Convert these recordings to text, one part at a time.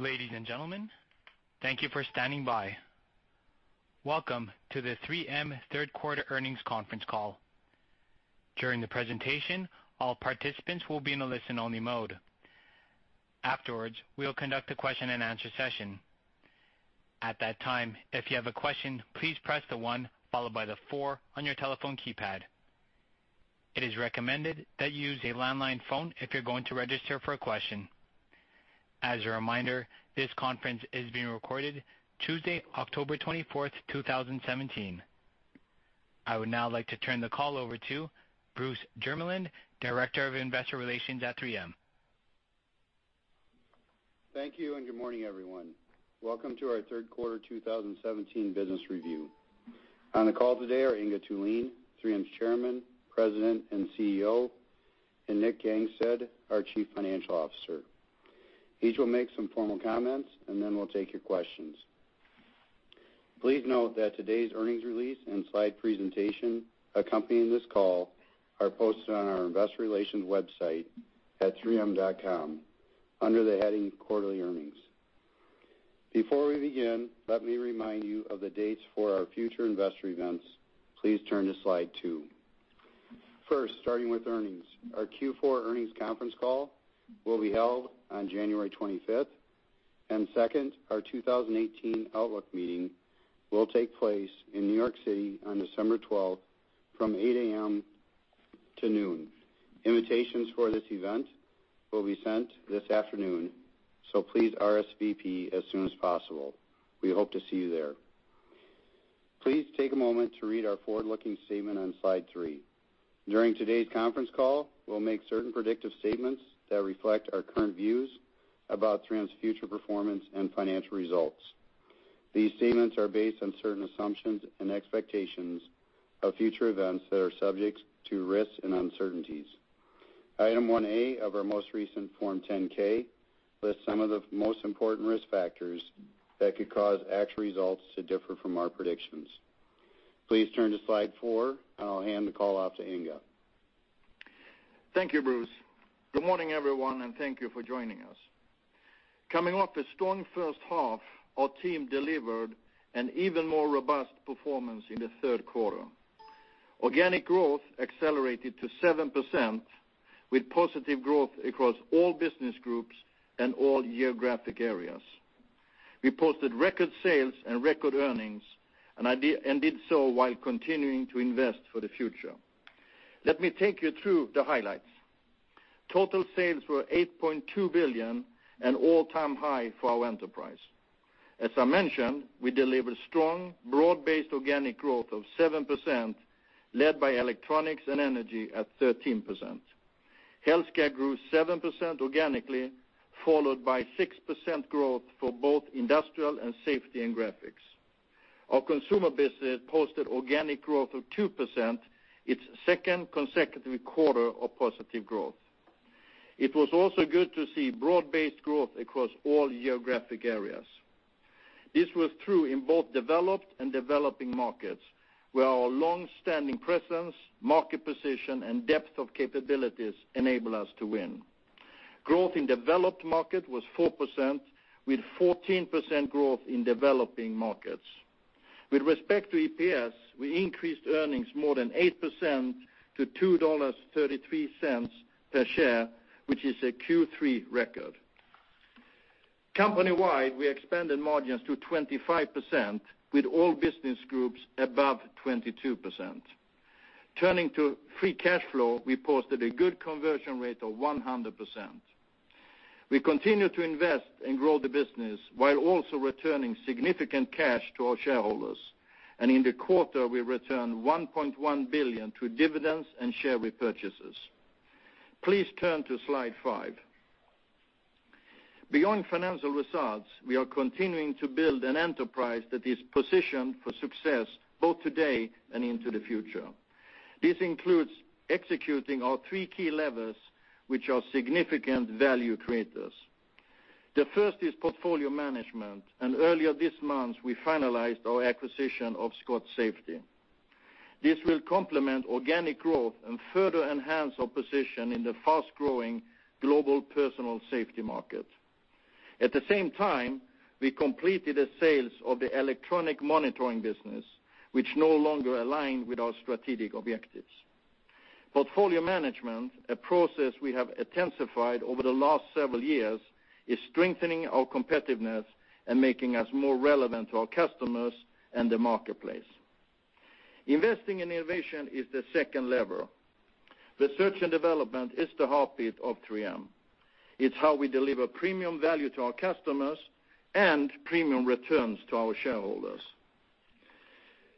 Ladies and gentlemen, thank you for standing by. Welcome to the 3M Third Quarter Earnings Conference Call. During the presentation, all participants will be in a listen-only mode. Afterwards, we will conduct a question-and-answer session. At that time, if you have a question, please press the one followed by the four on your telephone keypad. It is recommended that you use a landline phone if you're going to register for a question. As a reminder, this conference is being recorded Tuesday, October 24th, 2017. I would now like to turn the call over to Bruce Jermeland, Director of Investor Relations at 3M. Thank you. Good morning, everyone. Welcome to our third quarter 2017 business review. On the call today are Inge Thulin, 3M's Chairman, President, and CEO, and Nick Gangestad, our Chief Financial Officer. Each will make some formal comments, and then we'll take your questions. Please note that today's earnings release and slide presentation accompanying this call are posted on our investor relations website at 3M.com under the heading Quarterly Earnings. Before we begin, let me remind you of the dates for our future investor events. Please turn to slide two. First, starting with earnings. Our Q4 earnings conference call will be held on January 25th, and second, our 2018 outlook meeting will take place in New York City on December 12th from 8:00 A.M. to noon. Invitations for this event will be sent this afternoon, so please RSVP as soon as possible. We hope to see you there. Please take a moment to read our forward-looking statement on slide three. During today's conference call, we'll make certain predictive statements that reflect our current views about 3M's future performance and financial results. These statements are based on certain assumptions and expectations of future events that are subject to risks and uncertainties. Item 1A of our most recent Form 10-K lists some of the most important risk factors that could cause actual results to differ from our predictions. Please turn to slide four. I'll hand the call off to Inge. Thank you, Bruce. Good morning, everyone. Thank you for joining us. Coming off a strong first half, our team delivered an even more robust performance in the third quarter. Organic growth accelerated to 7% with positive growth across all business groups and all geographic areas. We posted record sales and record earnings and did so while continuing to invest for the future. Let me take you through the highlights. Total sales were $8.2 billion, an all-time high for our enterprise. As I mentioned, we delivered strong, broad-based organic growth of 7%, led by Electronics and Energy at 13%. Healthcare grew 7% organically, followed by 6% growth for both Industrial and Safety and Graphics. Our Consumer business posted organic growth of 2%, its second consecutive quarter of positive growth. It was also good to see broad-based growth across all geographic areas. This was true in both developed and developing markets, where our long-standing presence, market position, and depth of capabilities enable us to win. Growth in developed market was 4%, with 14% growth in developing markets. With respect to EPS, we increased earnings more than 8% to $2.33 per share, which is a Q3 record. Company-wide, we expanded margins to 25% with all business groups above 22%. Turning to free cash flow, we posted a good conversion rate of 100%. We continue to invest and grow the business while also returning significant cash to our shareholders, and in the quarter, we returned $1.1 billion to dividends and share repurchases. Please turn to slide five. Beyond financial results, we are continuing to build an enterprise that is positioned for success both today and into the future. This includes executing our three key levers, which are significant value creators. The first is portfolio management. Earlier this month, we finalized our acquisition of Scott Safety. This will complement organic growth and further enhance our position in the fast-growing global personal safety market. At the same time, we completed a sale of the electronic monitoring business, which no longer aligned with our strategic objectives. Portfolio management, a process we have intensified over the last several years, is strengthening our competitiveness and making us more relevant to our customers and the marketplace. Investing in innovation is the second lever. Research and development is the heartbeat of 3M. It's how we deliver premium value to our customers and premium returns to our shareholders.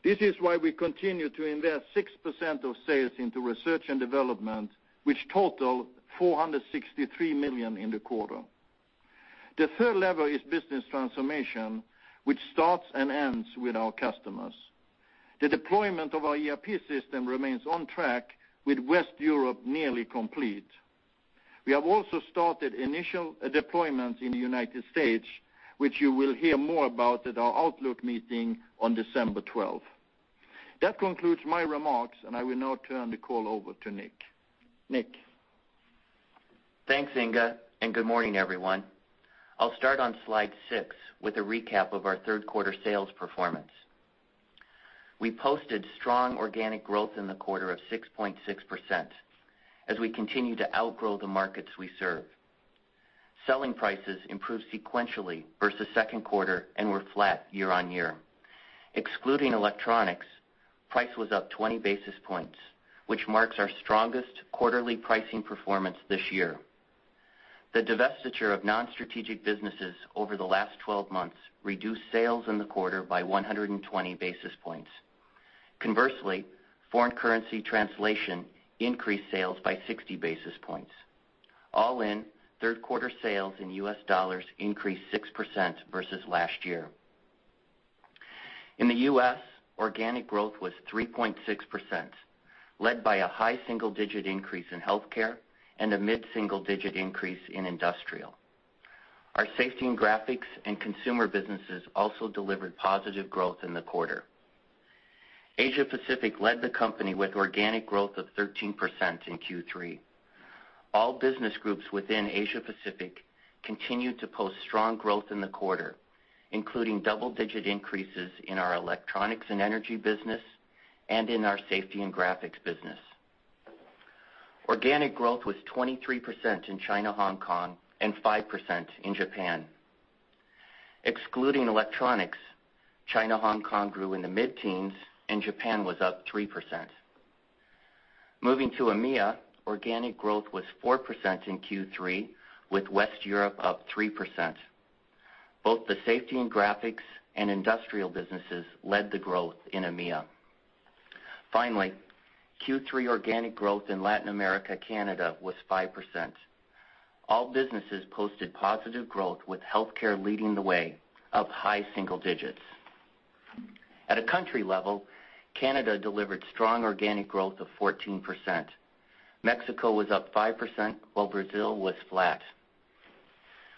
This is why we continue to invest 6% of sales into research and development, which totaled $463 million in the quarter. The third lever is business transformation, which starts and ends with our customers. The deployment of our ERP system remains on track, with West Europe nearly complete. We have also started initial deployments in the U.S., which you will hear more about at our outlook meeting on December 12th. That concludes my remarks. I will now turn the call over to Nick. Nick? Thanks, Inge. Good morning, everyone. I'll start on slide six with a recap of our third quarter sales performance. We posted strong organic growth in the quarter of 6.6% as we continue to outgrow the markets we serve. Selling prices improved sequentially versus second quarter and were flat year-on-year. Excluding electronics, price was up 20 basis points, which marks our strongest quarterly pricing performance this year. The divestiture of non-strategic businesses over the last 12 months reduced sales in the quarter by 120 basis points. Conversely, foreign currency translation increased sales by 60 basis points. All in, third quarter sales in U.S. dollars increased 6% versus last year. In the U.S., organic growth was 3.6%, led by a high single-digit increase in healthcare and a mid-single-digit increase in Industrial. Our Safety and Graphics and Consumer businesses also delivered positive growth in the quarter. Asia Pacific led the company with organic growth of 13% in Q3. All business groups within Asia Pacific continued to post strong growth in the quarter, including double-digit increases in our Electronics and Energy business and in our Safety and Graphics business. Organic growth was 23% in China, Hong Kong, and 5% in Japan. Excluding electronics, China, Hong Kong grew in the mid-teens and Japan was up 3%. Moving to EMEA, organic growth was 4% in Q3 with West Europe up 3%. Both the Safety and Graphics and Industrial businesses led the growth in EMEA. Finally, Q3 organic growth in Latin America, Canada was 5%. All businesses posted positive growth with Healthcare leading the way, up high single digits. At a country level, Canada delivered strong organic growth of 14%. Mexico was up 5%, while Brazil was flat.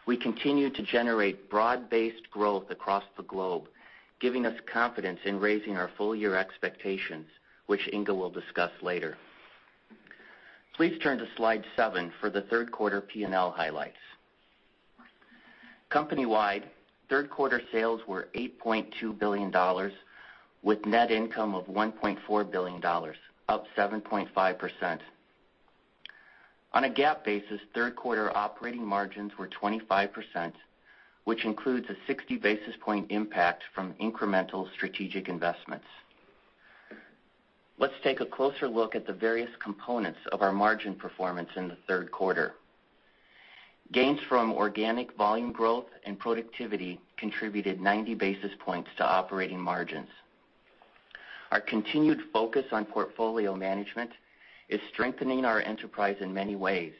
We continue to generate broad-based growth across the globe, giving us confidence in raising our full-year expectations, which Inge will discuss later. Please turn to slide seven for the third quarter P&L highlights. Company-wide, third quarter sales were $8.2 billion with net income of $1.4 billion, up 7.5%. On a GAAP basis, third quarter operating margins were 25%, which includes a 60 basis point impact from incremental strategic investments. Let's take a closer look at the various components of our margin performance in the third quarter. Gains from organic volume growth and productivity contributed 90 basis points to operating margins. Our continued focus on portfolio management is strengthening the enterprise in many ways,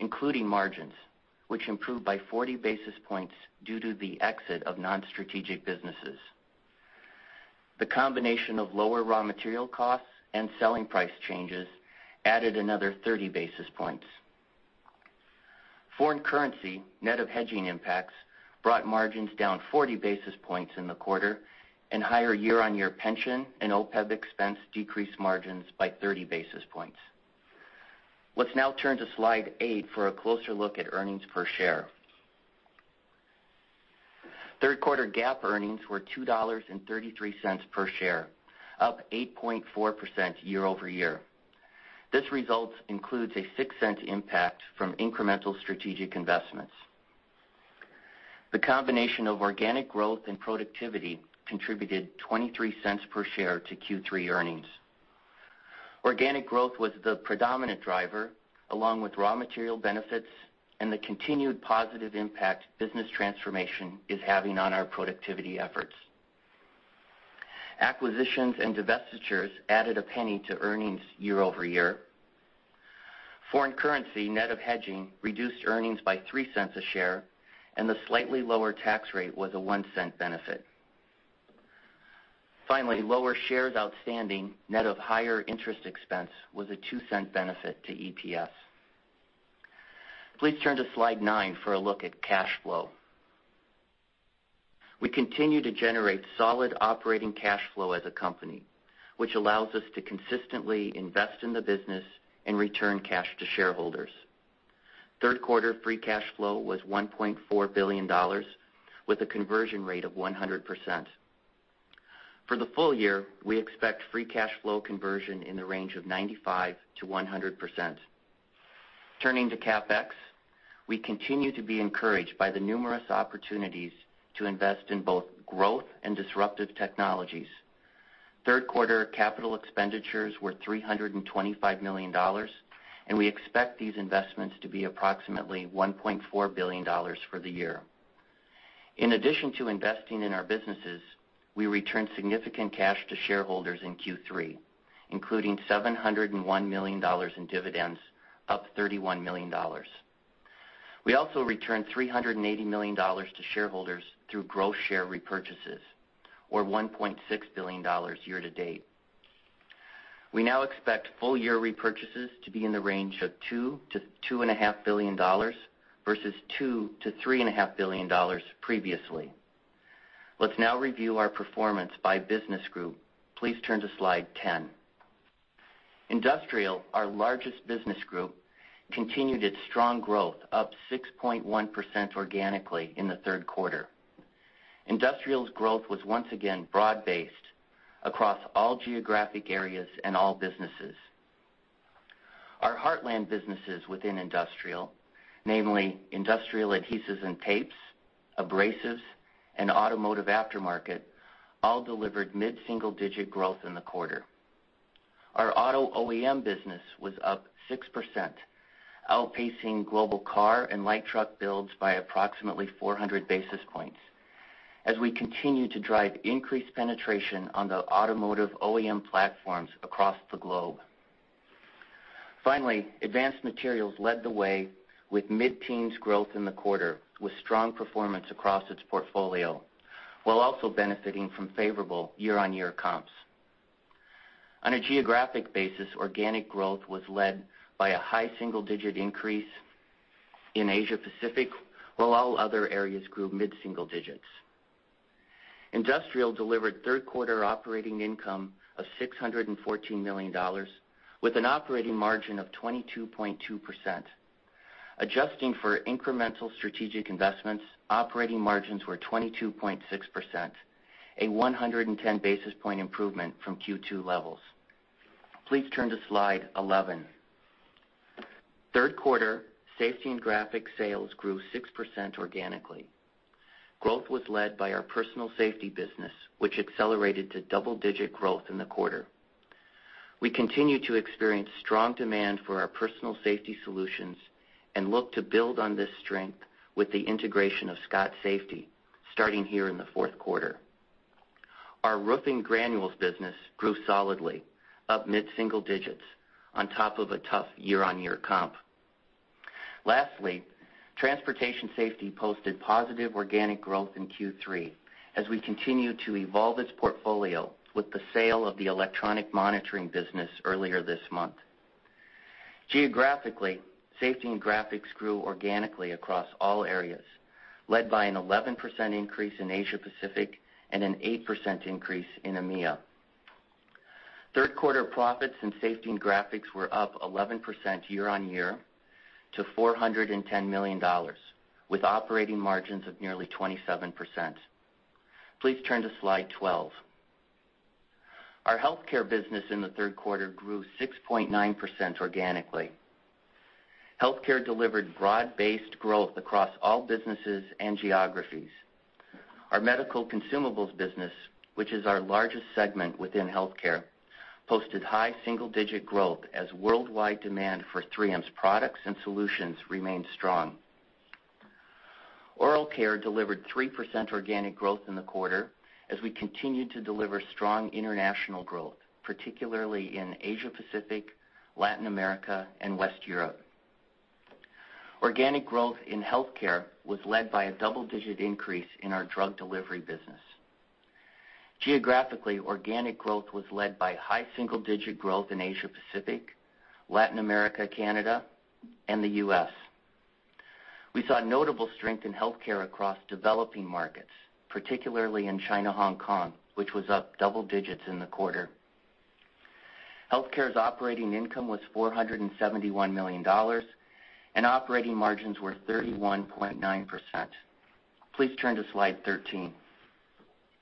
including margins, which improved by 40 basis points due to the exit of non-strategic businesses. The combination of lower raw material costs and selling price changes added another 30 basis points. Foreign currency net of hedging impacts brought margins down 40 basis points in the quarter, and higher year-on-year pension and OPEB expense decreased margins by 30 basis points. Let's now turn to slide eight for a closer look at earnings per share. Third quarter GAAP earnings were $2.33 per share, up 8.4% year-over-year. This result includes a $0.06 impact from incremental strategic investments. The combination of organic growth and productivity contributed $0.23 per share to Q3 earnings. Organic growth was the predominant driver, along with raw material benefits and the continued positive impact business transformation is having on our productivity efforts. Acquisitions and divestitures added a $0.01 to earnings year-over-year. Foreign currency net of hedging reduced earnings by $0.03 a share, and the slightly lower tax rate was a $0.01 benefit. Finally, lower shares outstanding, net of higher interest expense was a $0.02 benefit to EPS. Please turn to slide nine for a look at cash flow. We continue to generate solid operating cash flow as a company, which allows us to consistently invest in the business and return cash to shareholders. Third quarter free cash flow was $1.4 billion, with a conversion rate of 100%. For the full year, we expect free cash flow conversion in the range of 95%-100%. Turning to CapEx, we continue to be encouraged by the numerous opportunities to invest in both growth and disruptive technologies. Third quarter capital expenditures were $325 million, and we expect these investments to be approximately $1.4 billion for the year. In addition to investing in our businesses, we returned significant cash to shareholders in Q3, including $701 million in dividends, up $31 million. We also returned $380 million to shareholders through gross share repurchases, or $1.6 billion year to date. We now expect full year repurchases to be in the range of $2 billion-$2.5 billion, versus $2 billion-$3.5 billion previously. Let's now review our performance by business group. Please turn to Slide 10. Industrial, our largest business group, continued its strong growth, up 6.1% organically in the third quarter. Industrial's growth was once again broad-based across all geographic areas and all businesses. Our heartland businesses within Industrial, namely industrial adhesives and tapes, abrasives, and automotive aftermarket, all delivered mid-single-digit growth in the quarter. Our auto OEM business was up 6%, outpacing global car and light truck builds by approximately 400 basis points as we continue to drive increased penetration on the automotive OEM platforms across the globe. Finally, Advanced Materials led the way with mid-teens growth in the quarter with strong performance across its portfolio, while also benefiting from favorable year-on-year comps. On a geographic basis, organic growth was led by a high single-digit increase in Asia Pacific, while all other areas grew mid-single digits. Industrial delivered third quarter operating income of $614 million, with an operating margin of 22.2%. Adjusting for incremental strategic investments, operating margins were 22.6%, a 110 basis point improvement from Q2 levels. Please turn to Slide 11. Third quarter Safety and Graphics sales grew 6% organically. Growth was led by our personal safety business, which accelerated to double-digit growth in the quarter. We continue to experience strong demand for our personal safety solutions and look to build on this strength with the integration of Scott Safety, starting here in the fourth quarter. Our roofing granules business grew solidly, up mid-single digits, on top of a tough year-on-year comp. Lastly, Transportation Safety posted positive organic growth in Q3 as we continue to evolve its portfolio with the sale of the electronic monitoring business earlier this month. Geographically, Safety and Graphics grew organically across all areas, led by an 11% increase in Asia Pacific and an 8% increase in EMEA. Third quarter profits in Safety and Graphics were up 11% year-on-year to $410 million, with operating margins of nearly 27%. Please turn to Slide 12. Our Healthcare business in the third quarter grew 6.9% organically. Healthcare delivered broad-based growth across all businesses and geographies. Our medical consumables business, which is our largest segment within Healthcare, posted high single-digit growth as worldwide demand for 3M's products and solutions remained strong. Oral Care delivered 3% organic growth in the quarter as we continued to deliver strong international growth, particularly in Asia Pacific, Latin America, and West Europe. Organic growth in Healthcare was led by a double-digit increase in our drug delivery business. Geographically, organic growth was led by high single-digit growth in Asia Pacific, Latin America, Canada, and the U.S. We saw notable strength in Healthcare across developing markets, particularly in China, Hong Kong, which was up double digits in the quarter. Healthcare's operating income was $471 million, and operating margins were 31.9%. Please turn to Slide 13.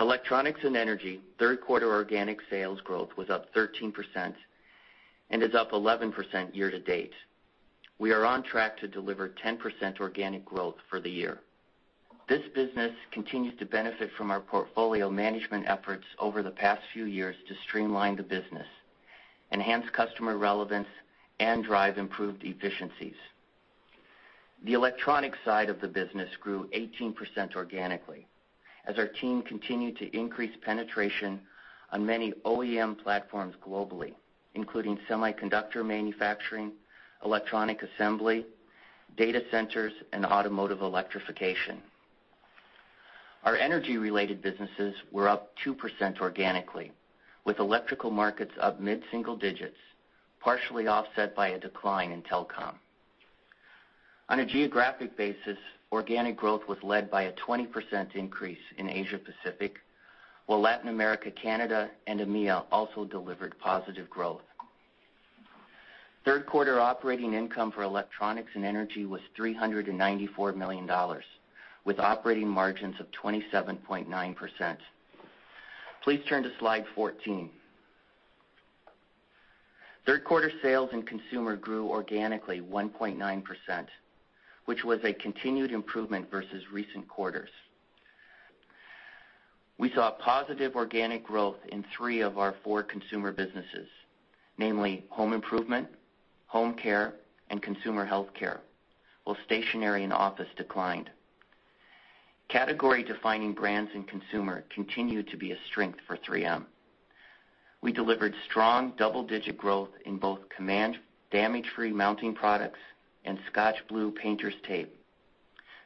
Electronics and Energy, third quarter organic sales growth was up 13% and is up 11% year to date. We are on track to deliver 10% organic growth for the year. This business continues to benefit from our portfolio management efforts over the past few years to streamline the business, enhance customer relevance, and drive improved efficiencies. The electronics side of the business grew 18% organically as our team continued to increase penetration on many OEM platforms globally, including semiconductor manufacturing, electronic assembly, data centers, and automotive electrification. Our energy-related businesses were up 2% organically, with electrical markets up mid-single digits, partially offset by a decline in telecom. On a geographic basis, organic growth was led by a 20% increase in Asia Pacific, while Latin America, Canada, and EMEA also delivered positive growth. Third quarter operating income for Electronics and Energy was $394 million, with operating margins of 27.9%. Please turn to Slide 14. Third quarter sales in Consumer grew organically 1.9%, which was a continued improvement versus recent quarters. We saw positive organic growth in three of our four Consumer businesses, namely home improvement, home care, and consumer healthcare, while stationary and office declined. Category-defining brands in Consumer continued to be a strength for 3M. We delivered strong double-digit growth in both Command Damage Free mounting products and ScotchBlue Painter's Tape.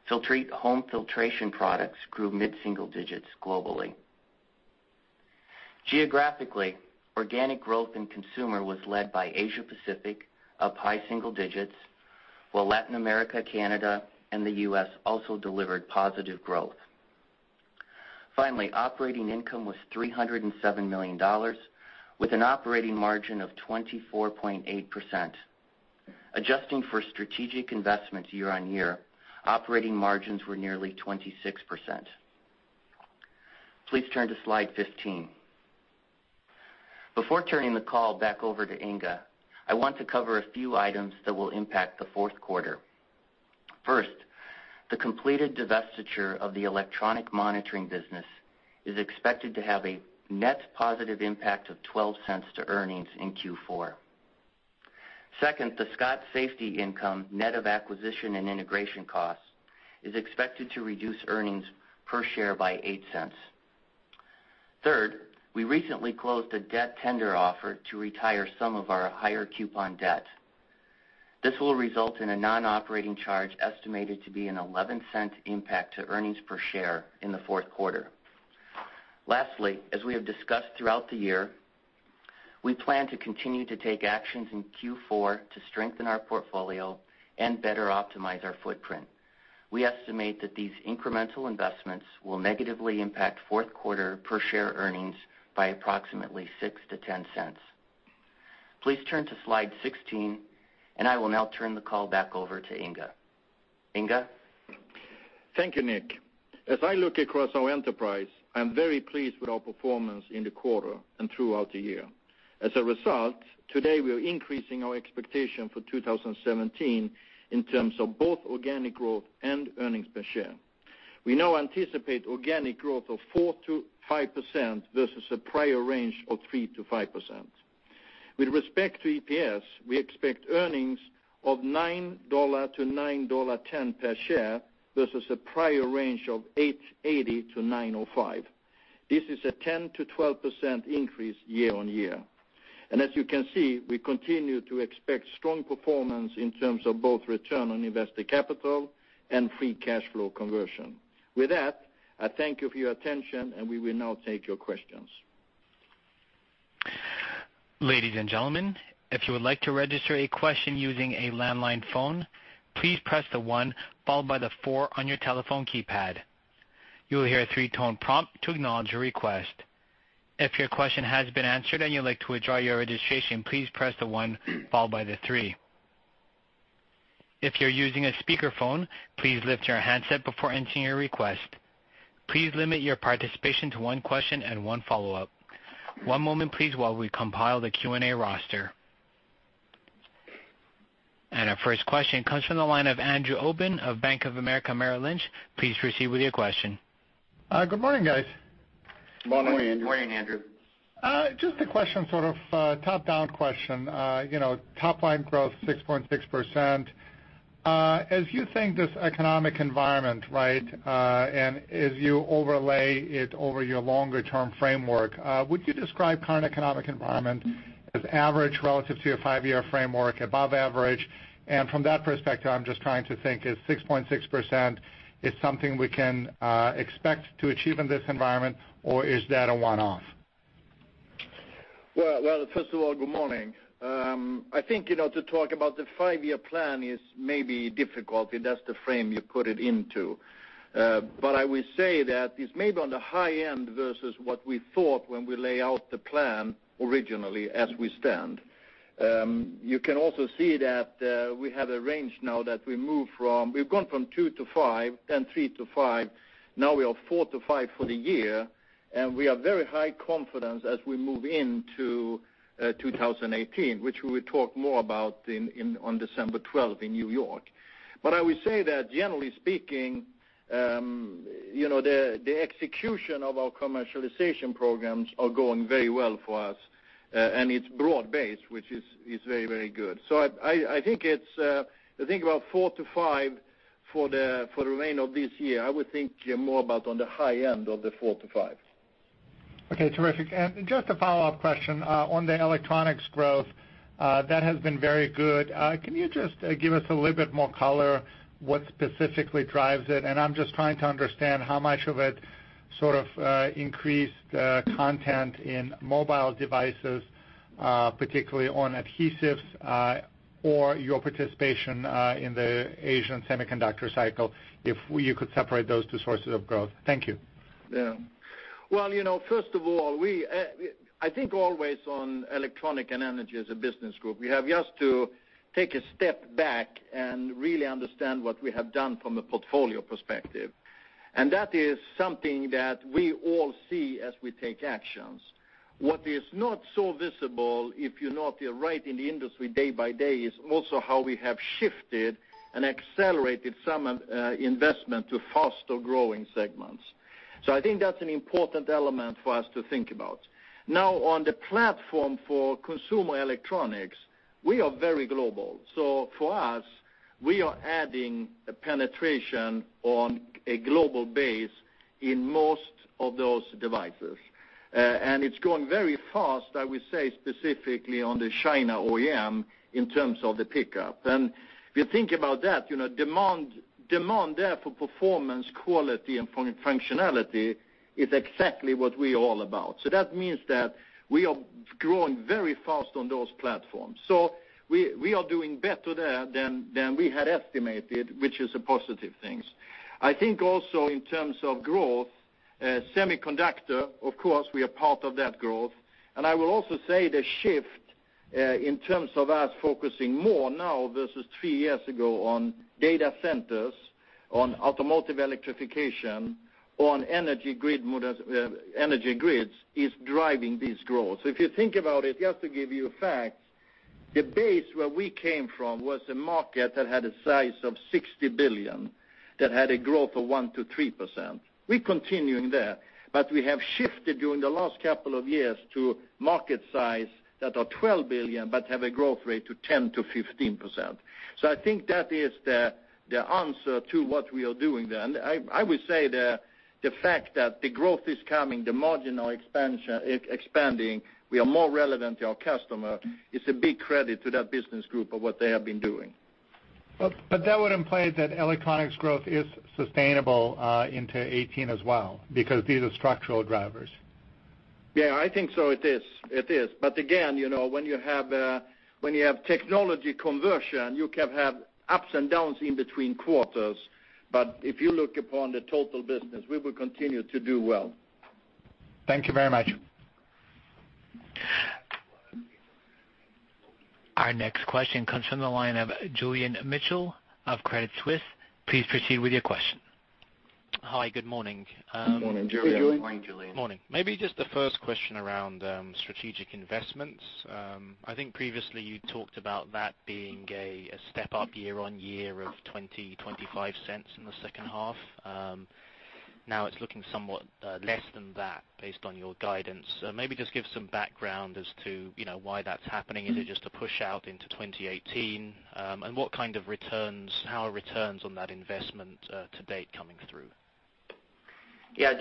Filtrete home filtration products grew mid-single digits globally. Geographically, organic growth in consumer was led by Asia Pacific, up high single digits, while Latin America, Canada, and the U.S. also delivered positive growth. Finally, operating income was $307 million, with an operating margin of 24.8%. Adjusting for strategic investments year-over-year, operating margins were nearly 26%. Please turn to Slide 15. Before turning the call back over to Inge, I want to cover a few items that will impact the fourth quarter. First, the completed divestiture of the electronic monitoring business is expected to have a net positive impact of $0.12 to earnings in Q4. Second, the Scott Safety income, net of acquisition and integration costs, is expected to reduce earnings per share by $0.08. Third, we recently closed a debt tender offer to retire some of our higher coupon debt. This will result in a non-operating charge estimated to be an $0.11 impact to earnings per share in the fourth quarter. Lastly, as we have discussed throughout the year, we plan to continue to take actions in Q4 to strengthen our portfolio and better optimize our footprint. We estimate that these incremental investments will negatively impact fourth quarter per share earnings by approximately $0.06-$0.10. Please turn to Slide 16, and I will now turn the call back over to Inge. Inge? Thank you, Nick. As I look across our enterprise, I'm very pleased with our performance in the quarter and throughout the year. As a result, today we are increasing our expectation for 2017 in terms of both organic growth and earnings per share. We now anticipate organic growth of 4%-5% versus a prior range of 3%-5%. With respect to EPS, we expect earnings of $9.00-$9.10 per share versus a prior range of $8.80-$9.05. This is a 10%-12% increase year-over-year. As you can see, we continue to expect strong performance in terms of both return on invested capital and free cash flow conversion. With that, I thank you for your attention, and we will now take your questions. Ladies and gentlemen, if you would like to register a question using a landline phone, please press the one followed by the four on your telephone keypad. You will hear a three-tone prompt to acknowledge your request. If your question has been answered and you'd like to withdraw your registration, please press the one followed by the three. If you're using a speakerphone, please lift your handset before entering your request. Please limit your participation to one question and one follow-up. One moment, please, while we compile the Q&A roster. Our first question comes from the line of Andrew Obin of Bank of America Merrill Lynch. Please proceed with your question. Good morning, guys. Good morning, Andrew. Morning, Andrew. Just a question, sort of a top-down question. Topline growth 6.6%. As you think this economic environment, and as you overlay it over your longer-term framework, would you describe current economic environment as average relative to your five-year framework, above average? From that perspective, I'm just trying to think, is 6.6% something we can expect to achieve in this environment or is that a one-off? Well, first of all, good morning. I think, to talk about the five-year plan is maybe difficult if that's the frame you put it into. I will say that it's maybe on the high end versus what we thought when we lay out the plan originally as we stand. You can also see that we have a range now that we move from-- We've gone from 2% to 5%, then 3% to 5%. Now we are 4% to 5% for the year, and we are very high confidence as we move into 2018, which we will talk more about on December 12 in New York. I will say that generally speaking, the execution of our commercialization programs are going very well for us, and it's broad-based, which is very good. I think about 4% to 5% for the remainder of this year. I would think you're more about on the high end of the 4% to 5%. Okay, terrific. Just a follow-up question on the electronics growth. That has been very good. Can you just give us a little bit more color, what specifically drives it? I'm just trying to understand how much of it sort of increased content in mobile devices, particularly on adhesives, or your participation in the Asian semiconductor cycle, if you could separate those two sources of growth. Thank you. Well, first of all, I think always on electronic and energy as a business group, we have just to take a step back and really understand what we have done from a portfolio perspective. That is something that we all see as we take actions. What is not so visible, if you're not right in the industry day by day, is also how we have shifted and accelerated some investment to faster-growing segments. I think that's an important element for us to think about. On the platform for consumer electronics, we are very global. For us, we are adding a penetration on a global base in most of those devices. It's going very fast, I would say specifically on the China OEM in terms of the pickup. If you think about that, demand there for performance, quality and functionality is exactly what we're all about. That means that we are growing very fast on those platforms. We are doing better there than we had estimated, which is a positive thing. I think also in terms of growth, semiconductor, of course, we are part of that growth, and I will also say the shift in terms of us focusing more now versus three years ago on data centers, on automotive electrification, on energy grids, is driving this growth. If you think about it, just to give you facts, the base where we came from was a market that had a size of $60 billion that had a growth of 1%-3%. We're continuing there, we have shifted during the last couple of years to market size that are $12 billion but have a growth rate to 10%-15%. I think that is the answer to what we are doing there. I would say the fact that the growth is coming, the margin expanding, we are more relevant to our customer, is a big credit to that business group of what they have been doing. That would imply that electronics growth is sustainable into 2018 as well because these are structural drivers. Yeah, I think so. It is. Again, when you have technology conversion, you can have ups and downs in between quarters. If you look upon the total business, we will continue to do well. Thank you very much. Our next question comes from the line of Julian Mitchell of Credit Suisse. Please proceed with your question. Hi, good morning. Good morning, Julian. Hey, Julian. Good morning, Julian. Morning. Maybe just the first question around strategic investments. I think previously you talked about that being a step up year-on-year of $0.20-$0.25 in the second half. Now it's looking somewhat less than that based on your guidance. Maybe just give some background as to why that's happening. Is it just a push out into 2018? What kind of returns, how are returns on that investment to date coming through?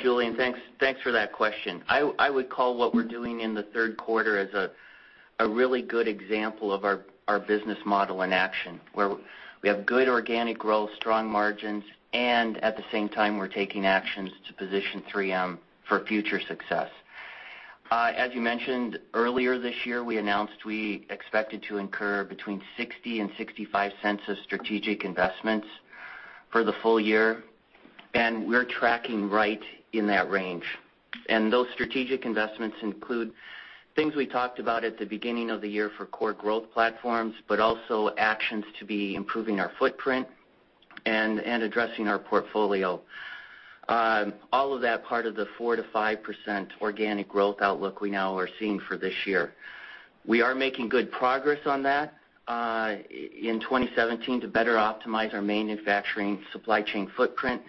Julian, thanks for that question. I would call what we're doing in the third quarter as a really good example of our business model in action, where we have good organic growth, strong margins, and at the same time, we're taking actions to position 3M for future success. As you mentioned, earlier this year, we announced we expected to incur between $0.60 and $0.65 of strategic investments for the full year, and we're tracking right in that range. Those strategic investments include things we talked about at the beginning of the year for core growth platforms, but also actions to be improving our footprint and addressing our portfolio. All of that part of the 4%-5% organic growth outlook we now are seeing for this year. We are making good progress on that in 2017 to better optimize our manufacturing supply chain footprint.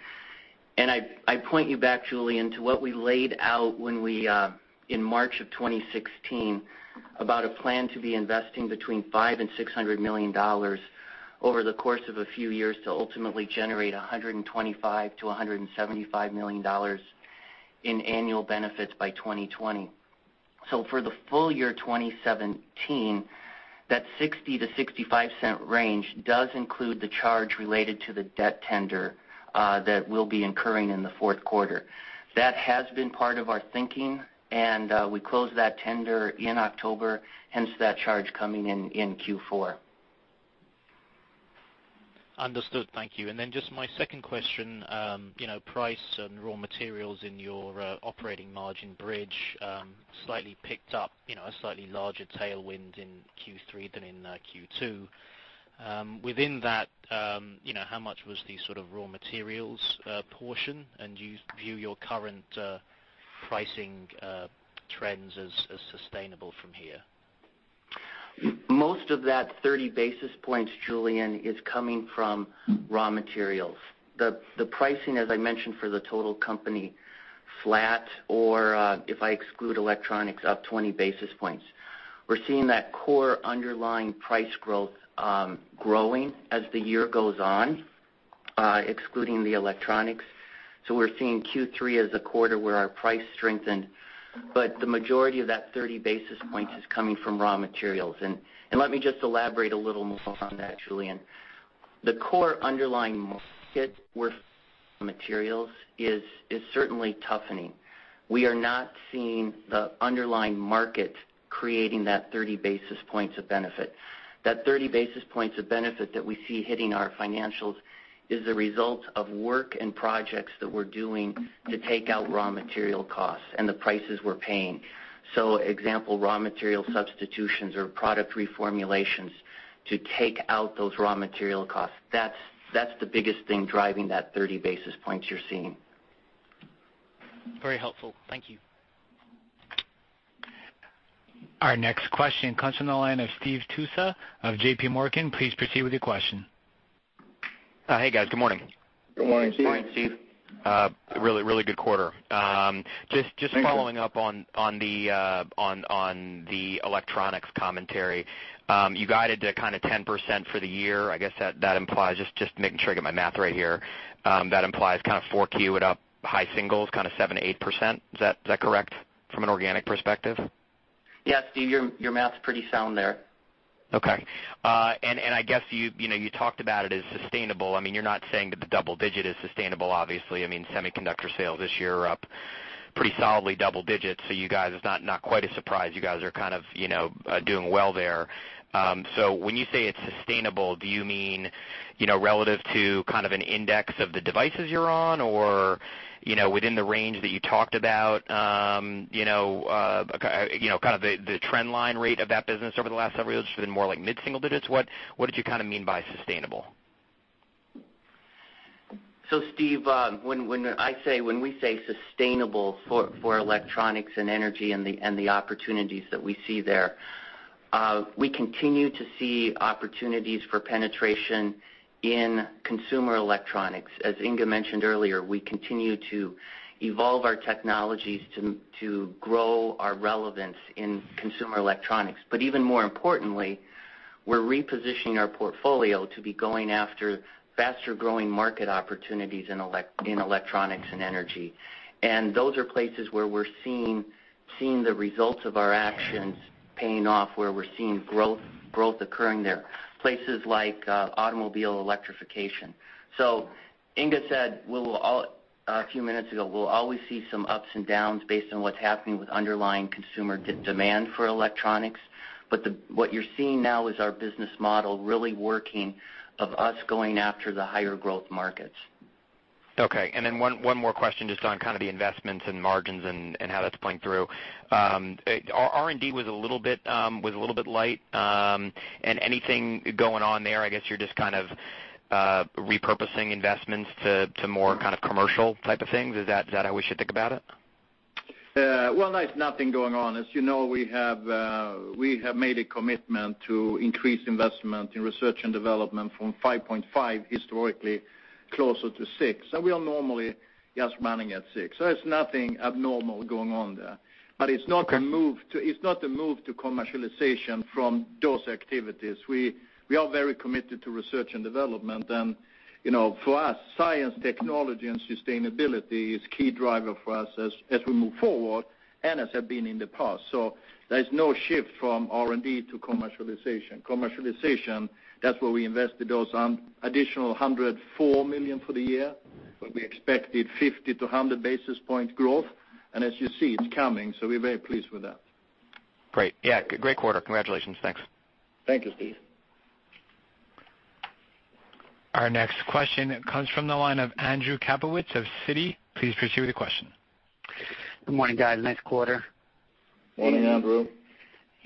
I point you back, Julian, to what we laid out in March of 2016 about a plan to be investing between $500 and $600 million over the course of a few years to ultimately generate $125 million to $175 million in annual benefits by 2020. For the full year 2017, that $0.60 to $0.65 range does include the charge related to the debt tender that we'll be incurring in the fourth quarter. That has been part of our thinking, and we closed that tender in October, hence that charge coming in in Q4. Understood. Thank you. Just my second question. Price and raw materials in your operating margin bridge slightly picked up a slightly larger tailwind in Q3 than in Q2. Within that, how much was the sort of raw materials portion, and do you view your current pricing trends as sustainable from here? Most of that 30 basis points, Julian, is coming from raw materials. The pricing, as I mentioned for the total company, flat or if I exclude electronics, up 20 basis points. We're seeing that core underlying price growth growing as the year goes on, excluding the electronics. We're seeing Q3 as a quarter where our price strengthened, but the majority of that 30 basis points is coming from raw materials. Let me just elaborate a little more on that, Julian. The core underlying market with materials is certainly toughening. We are not seeing the underlying market creating that 30 basis points of benefit. That 30 basis points of benefit that we see hitting our financials is a result of work and projects that we're doing to take out raw material costs and the prices we're paying. Example, raw material substitutions or product reformulations to take out those raw material costs. That's the biggest thing driving that 30 basis points you're seeing. Very helpful. Thank you. Our next question comes from the line of Steve Tusa of J.P. Morgan. Please proceed with your question. Hey, guys. Good morning. Good morning, Steve. Good morning, Steve. Really good quarter. Thank you. Just following up on the electronics commentary. You guided to kind of 10% for the year. I guess that implies, just making sure I get my math right here, that implies kind of 4Q it up high singles, kind of 7%-8%. Is that correct from an organic perspective? Yes, Steve, your math's pretty sound there. Okay. I guess you talked about it as sustainable. You're not saying that the double digit is sustainable, obviously. Semiconductor sales this year are up pretty solidly double digits, you guys, it's not quite a surprise you guys are kind of doing well there. When you say it's sustainable, do you mean, relative to kind of an index of the devices you're on? Within the range that you talked about, kind of the trend line rate of that business over the last several years has been more like mid-single digits. What did you kind of mean by sustainable? Steve, when we say sustainable for electronics and energy and the opportunities that we see there, we continue to see opportunities for penetration in consumer electronics. As Inge mentioned earlier, we continue to evolve our technologies to grow our relevance in consumer electronics. Even more importantly, we're repositioning our portfolio to be going after faster-growing market opportunities in electronics and energy. Those are places where we're seeing the results of our actions paying off, where we're seeing growth occurring there, places like automobile electrification. Inge said a few minutes ago, we'll always see some ups and downs based on what's happening with underlying consumer demand for electronics. What you're seeing now is our business model really working of us going after the higher growth markets. Okay, one more question just on kind of the investments and margins and how that's playing through. R&D was a little bit light. Anything going on there, I guess you're just kind of repurposing investments to more kind of commercial type of things. Is that how we should think about it? Well, there's nothing going on. As you know, we have made a commitment to increase investment in research and development from 5.5 historically closer to 6. We are normally just running at 6, it's nothing abnormal going on there. Okay. It's not a move to commercialization from those activities. We are very committed to research and development, and for us, science, technology, and sustainability is key driver for us as we move forward and as have been in the past. There's no shift from R&D to commercialization. Commercialization, that's where we invested those additional $104 million for the year, where we expected 50-100 basis point growth. As you see, it's coming, we're very pleased with that. Great. Yeah, great quarter. Congratulations. Thanks. Thank you, Steve. Our next question comes from the line of Andrew Kaplowitz of Citi. Please proceed with the question. Good morning, guys. Nice quarter. Morning, Andrew.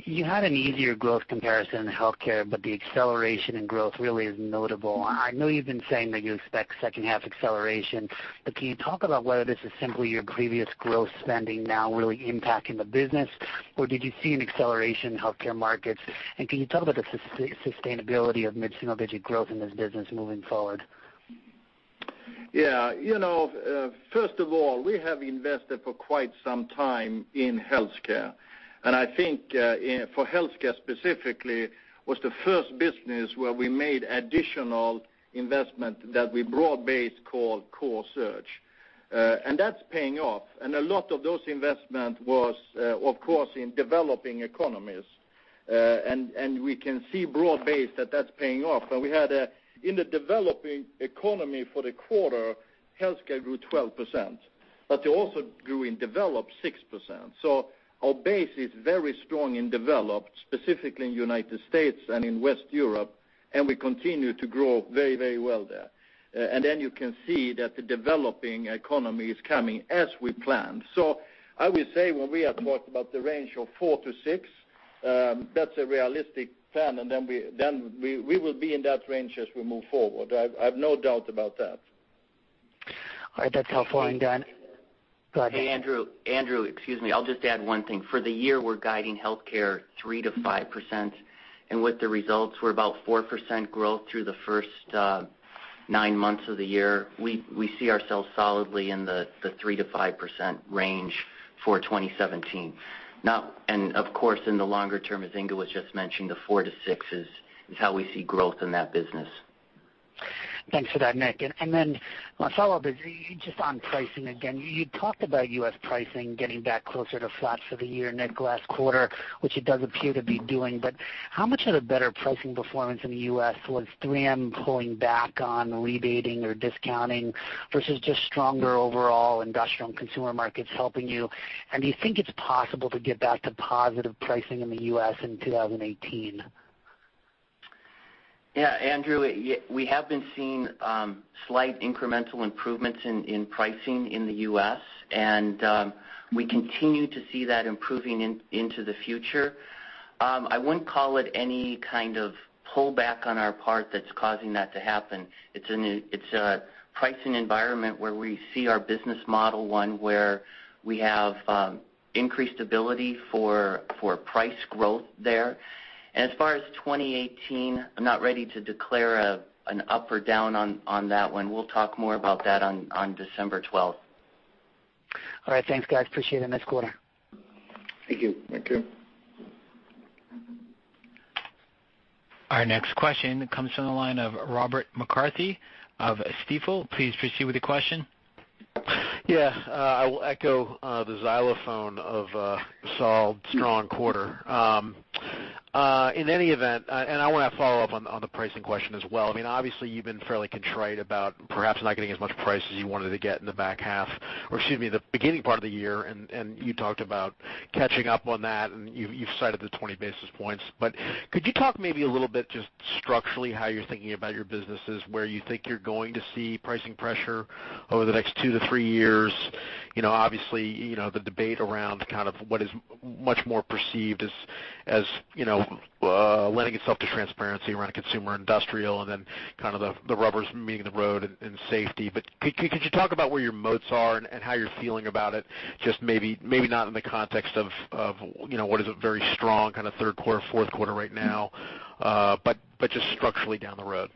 You had an easier growth comparison in Healthcare, the acceleration in growth really is notable. I know you've been saying that you expect second half acceleration, can you talk about whether this is simply your previous growth spending now really impacting the business, or did you see an acceleration in Healthcare markets? Can you talk about the sustainability of mid-single-digit growth in this business moving forward? Yeah. First of all, we have invested for quite some time in Healthcare. I think for Healthcare specifically, was the first business where we made additional investment that we broad-based called core growth. That's paying off. A lot of those investment was, of course, in developing economies. We can see broad-based that that's paying off. We had in the developing economy for the quarter, Healthcare grew 12%, it also grew in developed 6%. Our base is very strong in developed, specifically in United States and in West Europe, and we continue to grow very well there. You can see that the developing economy is coming as we planned. I would say when we had talked about the range of four to six, that's a realistic plan, and then we will be in that range as we move forward. I've no doubt about that. All right. That's all for me, done. Go ahead. Hey, Andrew Kaplowitz. I'll just add one thing. For the year, we're guiding healthcare 3%-5%, and with the results, we're about 4% growth through the first nine months of the year. We see ourselves solidly in the 3%-5% range for 2017. Now, of course, in the longer term, as Inge Thulin was just mentioning, the 4%-6% is how we see growth in that business. Thanks for that, Nick Gangestad. Then my follow-up is just on pricing again. You talked about U.S. pricing getting back closer to flat for the year net last quarter, which it does appear to be doing. How much of the better pricing performance in the U.S. was 3M pulling back on rebating or discounting versus just stronger overall Industrial and consumer markets helping you? Do you think it's possible to get back to positive pricing in the U.S. in 2018? Yeah, Andrew Kaplowitz, we have been seeing slight incremental improvements in pricing in the U.S. We continue to see that improving into the future. I wouldn't call it any kind of pullback on our part that's causing that to happen. It's a pricing environment where we see our business model one where we have increased ability for price growth there. As far as 2018, I'm not ready to declare an up or down on that one. We'll talk more about that on December 12th. All right. Thanks, guys. Appreciate it. Nice quarter. Thank you. Thank you. Our next question comes from the line of Robert McCarthy of Stifel. Please proceed with the question. Yeah. I will echo the xylophone of a solid, strong quarter. In any event, I want to follow up on the pricing question as well. Obviously, you've been fairly contrite about perhaps not getting as much price as you wanted to get in the beginning part of the year, and you talked about catching up on that, and you've cited the 20 basis points. Could you talk maybe a little bit just structurally how you're thinking about your businesses, where you think you're going to see pricing pressure over the next two to three years? Obviously, the debate around what is much more perceived as lending itself to transparency around consumer Industrial and then the rubber's meeting the road in Safety. Could you talk about where your moats are and how you're feeling about it, just maybe not in the context of what is a very strong third quarter, fourth quarter right now, just structurally down the road?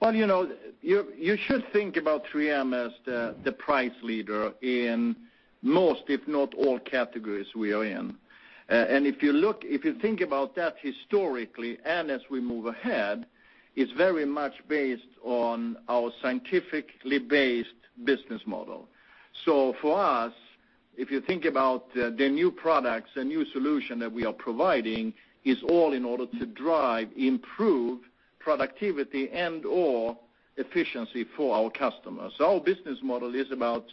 Well, you should think about 3M as the price leader in most, if not all, categories we are in. If you think about that historically, as we move ahead, it's very much based on our scientifically-based business model. For us, if you think about the new products, the new solution that we are providing is all in order to drive improved productivity and/or efficiency for our customers. Our business model is about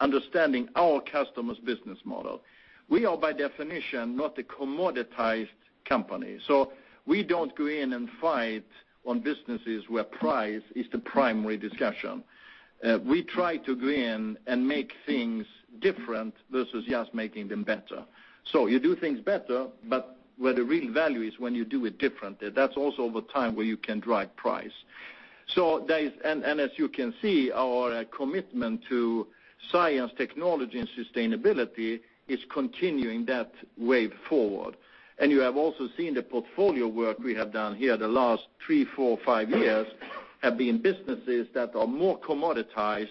understanding our customer's business model. We are, by definition, not a commoditized company, so we don't go in and fight on businesses where price is the primary discussion. We try to go in and make things different versus just making them better. You do things better, but where the real value is when you do it differently, that's also over time where you can drive price. As you can see, our commitment to science, technology, and sustainability is continuing that wave forward. You have also seen the portfolio work we have done here the last three, four, five years have been businesses that are more commoditized.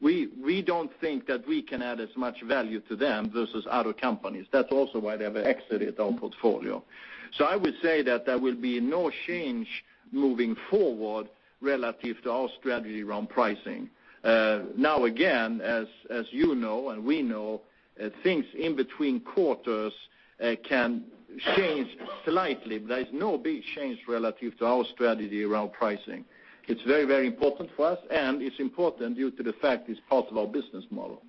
We don't think that we can add as much value to them versus other companies. That's also why they have exited our portfolio. I would say that there will be no change moving forward relative to our strategy around pricing. Now again, as you know and we know, things in between quarters can change slightly, but there is no big change relative to our strategy around pricing. It's very important for us, and it's important due to the fact it's part of our business model.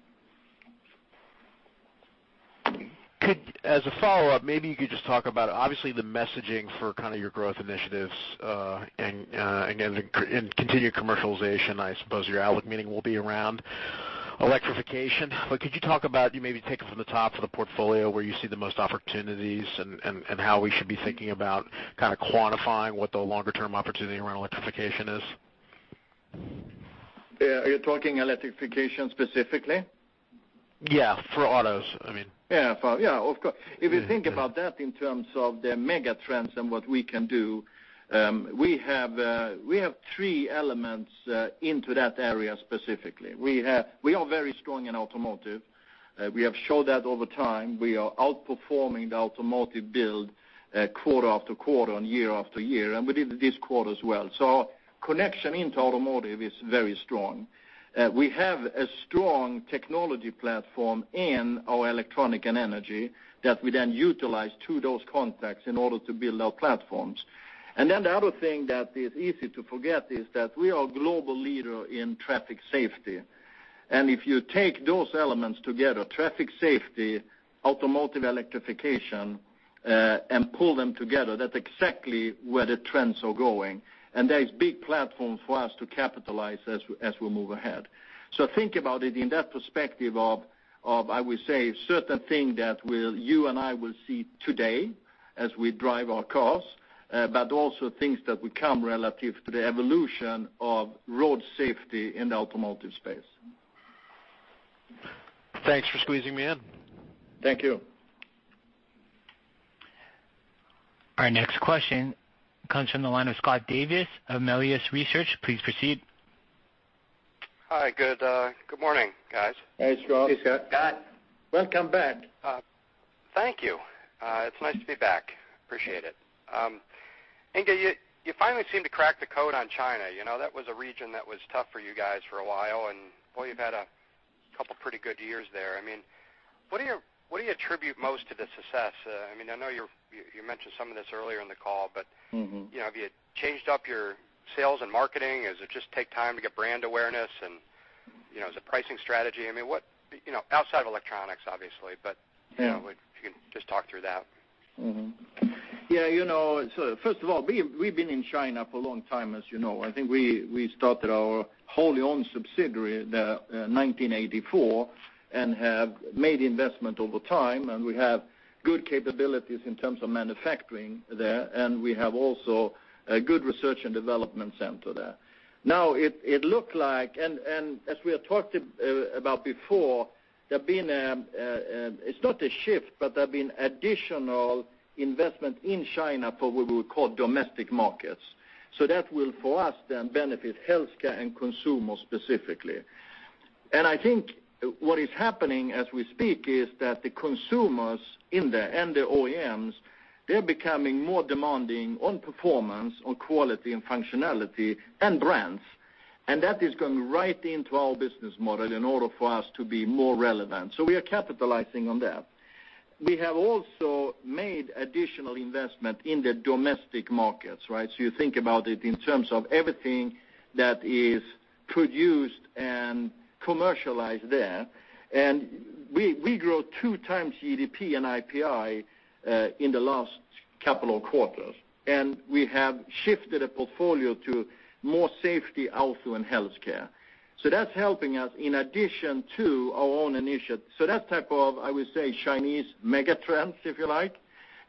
As a follow-up, maybe you could just talk about, obviously, the messaging for your growth initiatives, and again, in continued commercialization, I suppose your outlook meeting will be around electrification. Could you talk about, maybe take it from the top for the portfolio where you see the most opportunities and how we should be thinking about quantifying what the longer-term opportunity around electrification is? Are you talking electrification specifically? Yeah, for autos. Yeah, of course. If you think about that in terms of the mega trends and what we can do, we have three elements into that area specifically. We are very strong in automotive. We have showed that over time. We are outperforming the automotive build quarter after quarter and year after year, and we did it this quarter as well. Our connection into automotive is very strong. We have a strong technology platform in our electronic and energy that we then utilize through those contacts in order to build our platforms. The other thing that is easy to forget is that we are a global leader in traffic safety. If you take those elements together, traffic safety, automotive electrification, and pull them together, that's exactly where the trends are going, and there is big platform for us to capitalize as we move ahead. Think about it in that perspective of, I would say, certain thing that you and I will see today as we drive our cars, but also things that will come relative to the evolution of road safety in the automotive space. Thanks for squeezing me in. Thank you. Our next question comes from the line of Scott Davis of Melius Research. Please proceed. Hi, good morning, guys. Hey, Scott. Hey, Scott. Welcome back. Thank you. It's nice to be back. Appreciate it. Inge, you finally seem to crack the code on China. That was a region that was tough for you guys for a while. Boy, you've had a couple pretty good years there. What do you attribute most to the success? I know you mentioned some of this earlier in the call, but have you changed up your sales and marketing? Is it just take time to get brand awareness? Is it pricing strategy? Outside of electronics, obviously, but if you can just talk through that. Yeah. First of all, we've been in China for a long time, as you know. I think we started our wholly owned subsidiary in 1984 and have made investment over time, and we have good capabilities in terms of manufacturing there, and we have also a good R&D center there. As we have talked about before, it's not a shift, but there have been additional investment in China for what we would call domestic markets. That will, for us then, benefit healthcare and consumer specifically. I think what is happening as we speak is that the consumers and the OEMs, they're becoming more demanding on performance, on quality, and functionality, and brands. That is going right into our business model in order for us to be more relevant. We are capitalizing on that. We have also made additional investment in the domestic markets, right? You think about it in terms of everything that is produced and commercialized there, and we grew 2 times GDP and IPI, in the last couple of quarters. We have shifted a portfolio to more safety, health, and healthcare. That's helping us in addition to our own initiative. That type of, I would say, Chinese mega trends, if you like.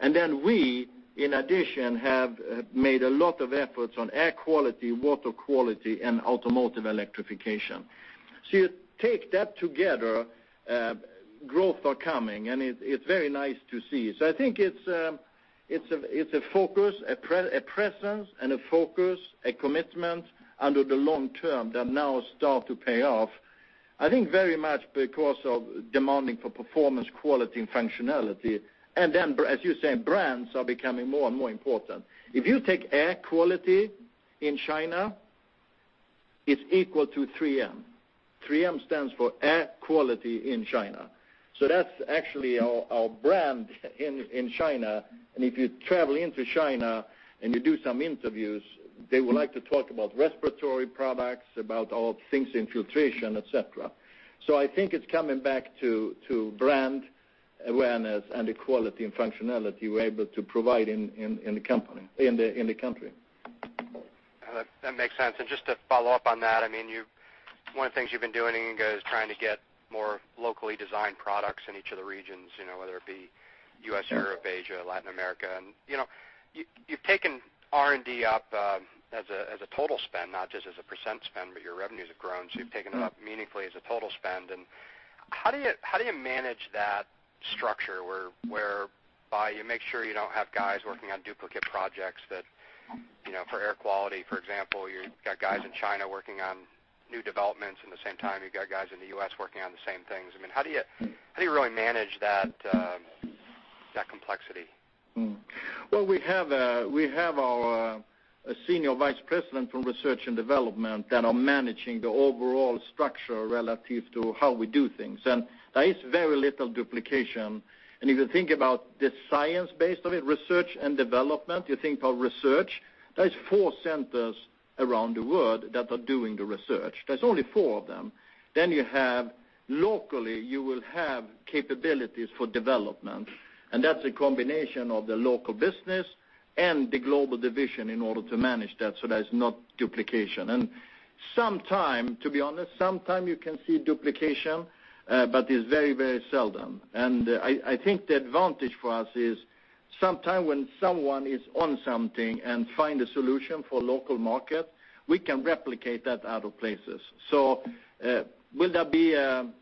Then we, in addition, have made a lot of efforts on air quality, water quality, and automotive electrification. You take that together, growth are coming, and it's very nice to see. I think it's a presence and a focus, a commitment under the long term that now start to pay off, I think very much because of demanding for performance, quality, and functionality. Then, as you say, brands are becoming more and more important. If you take air quality in China, it's equal to 3M. 3M stands for air quality in China. That's actually our brand in China. If you travel into China, and you do some interviews, they would like to talk about respiratory products, about all things in filtration, et cetera. I think it's coming back to brand awareness and the quality and functionality we're able to provide in the country. That makes sense. Just to follow up on that, one of the things you've been doing, Inge, is trying to get more locally designed products in each of the regions, whether it be U.S., Europe, Asia, Latin America. You've taken R&D up, as a total spend, not just as a percent spend, but your revenues have grown, so you've taken it up meaningfully as a total spend. How do you manage that structure, whereby you make sure you don't have guys working on duplicate projects that, for air quality, for example, you've got guys in China working on new developments and the same time you've got guys in the U.S. working on the same things? How do you really manage that complexity? We have our senior vice president from research and development that are managing the overall structure relative to how we do things. There is very little duplication. If you think about the science base of it, research and development, you think of research, there's four centers around the world that are doing the research. There's only four of them. Locally, you will have capabilities for development, and that's a combination of the local business and the global division in order to manage that, so there's not duplication. Sometimes, to be honest, sometimes you can see duplication, but it's very, very seldom. I think the advantage for us is sometimes when someone is on something and find a solution for local market, we can replicate that other places. Will there be duplication sometimes?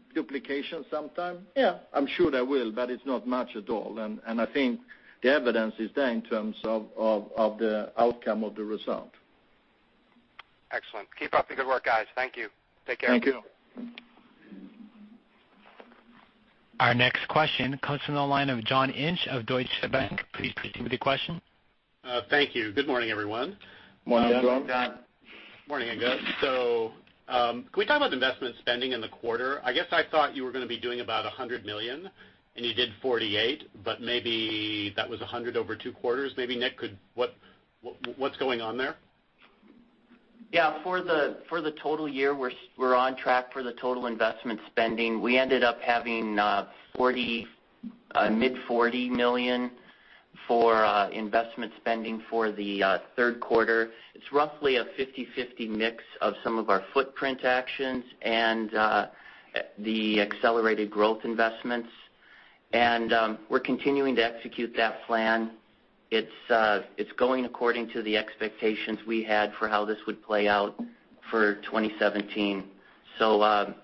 Yeah, I'm sure there will, but it's not much at all. I think the evidence is there in terms of the outcome of the result. Excellent. Keep up the good work, guys. Thank you. Take care. Thank you. Our next question comes from the line of John Inch of Deutsche Bank. Please proceed with your question. Thank you. Good morning, everyone. Morning, John. Morning, Inge. Morning, Inge. Can we talk about investment spending in the quarter? I guess I thought you were going to be doing about $100 million, and you did $48, but maybe that was $100 million over two quarters, maybe. Nick, what's going on there? Yeah. For the total year, we're on track for the total investment spending. We ended up having mid $40 million for investment spending for the third quarter. It's roughly a 50/50 mix of some of our footprint actions and the accelerated growth investments. We're continuing to execute that plan. It's going according to the expectations we had for how this would play out for 2017. I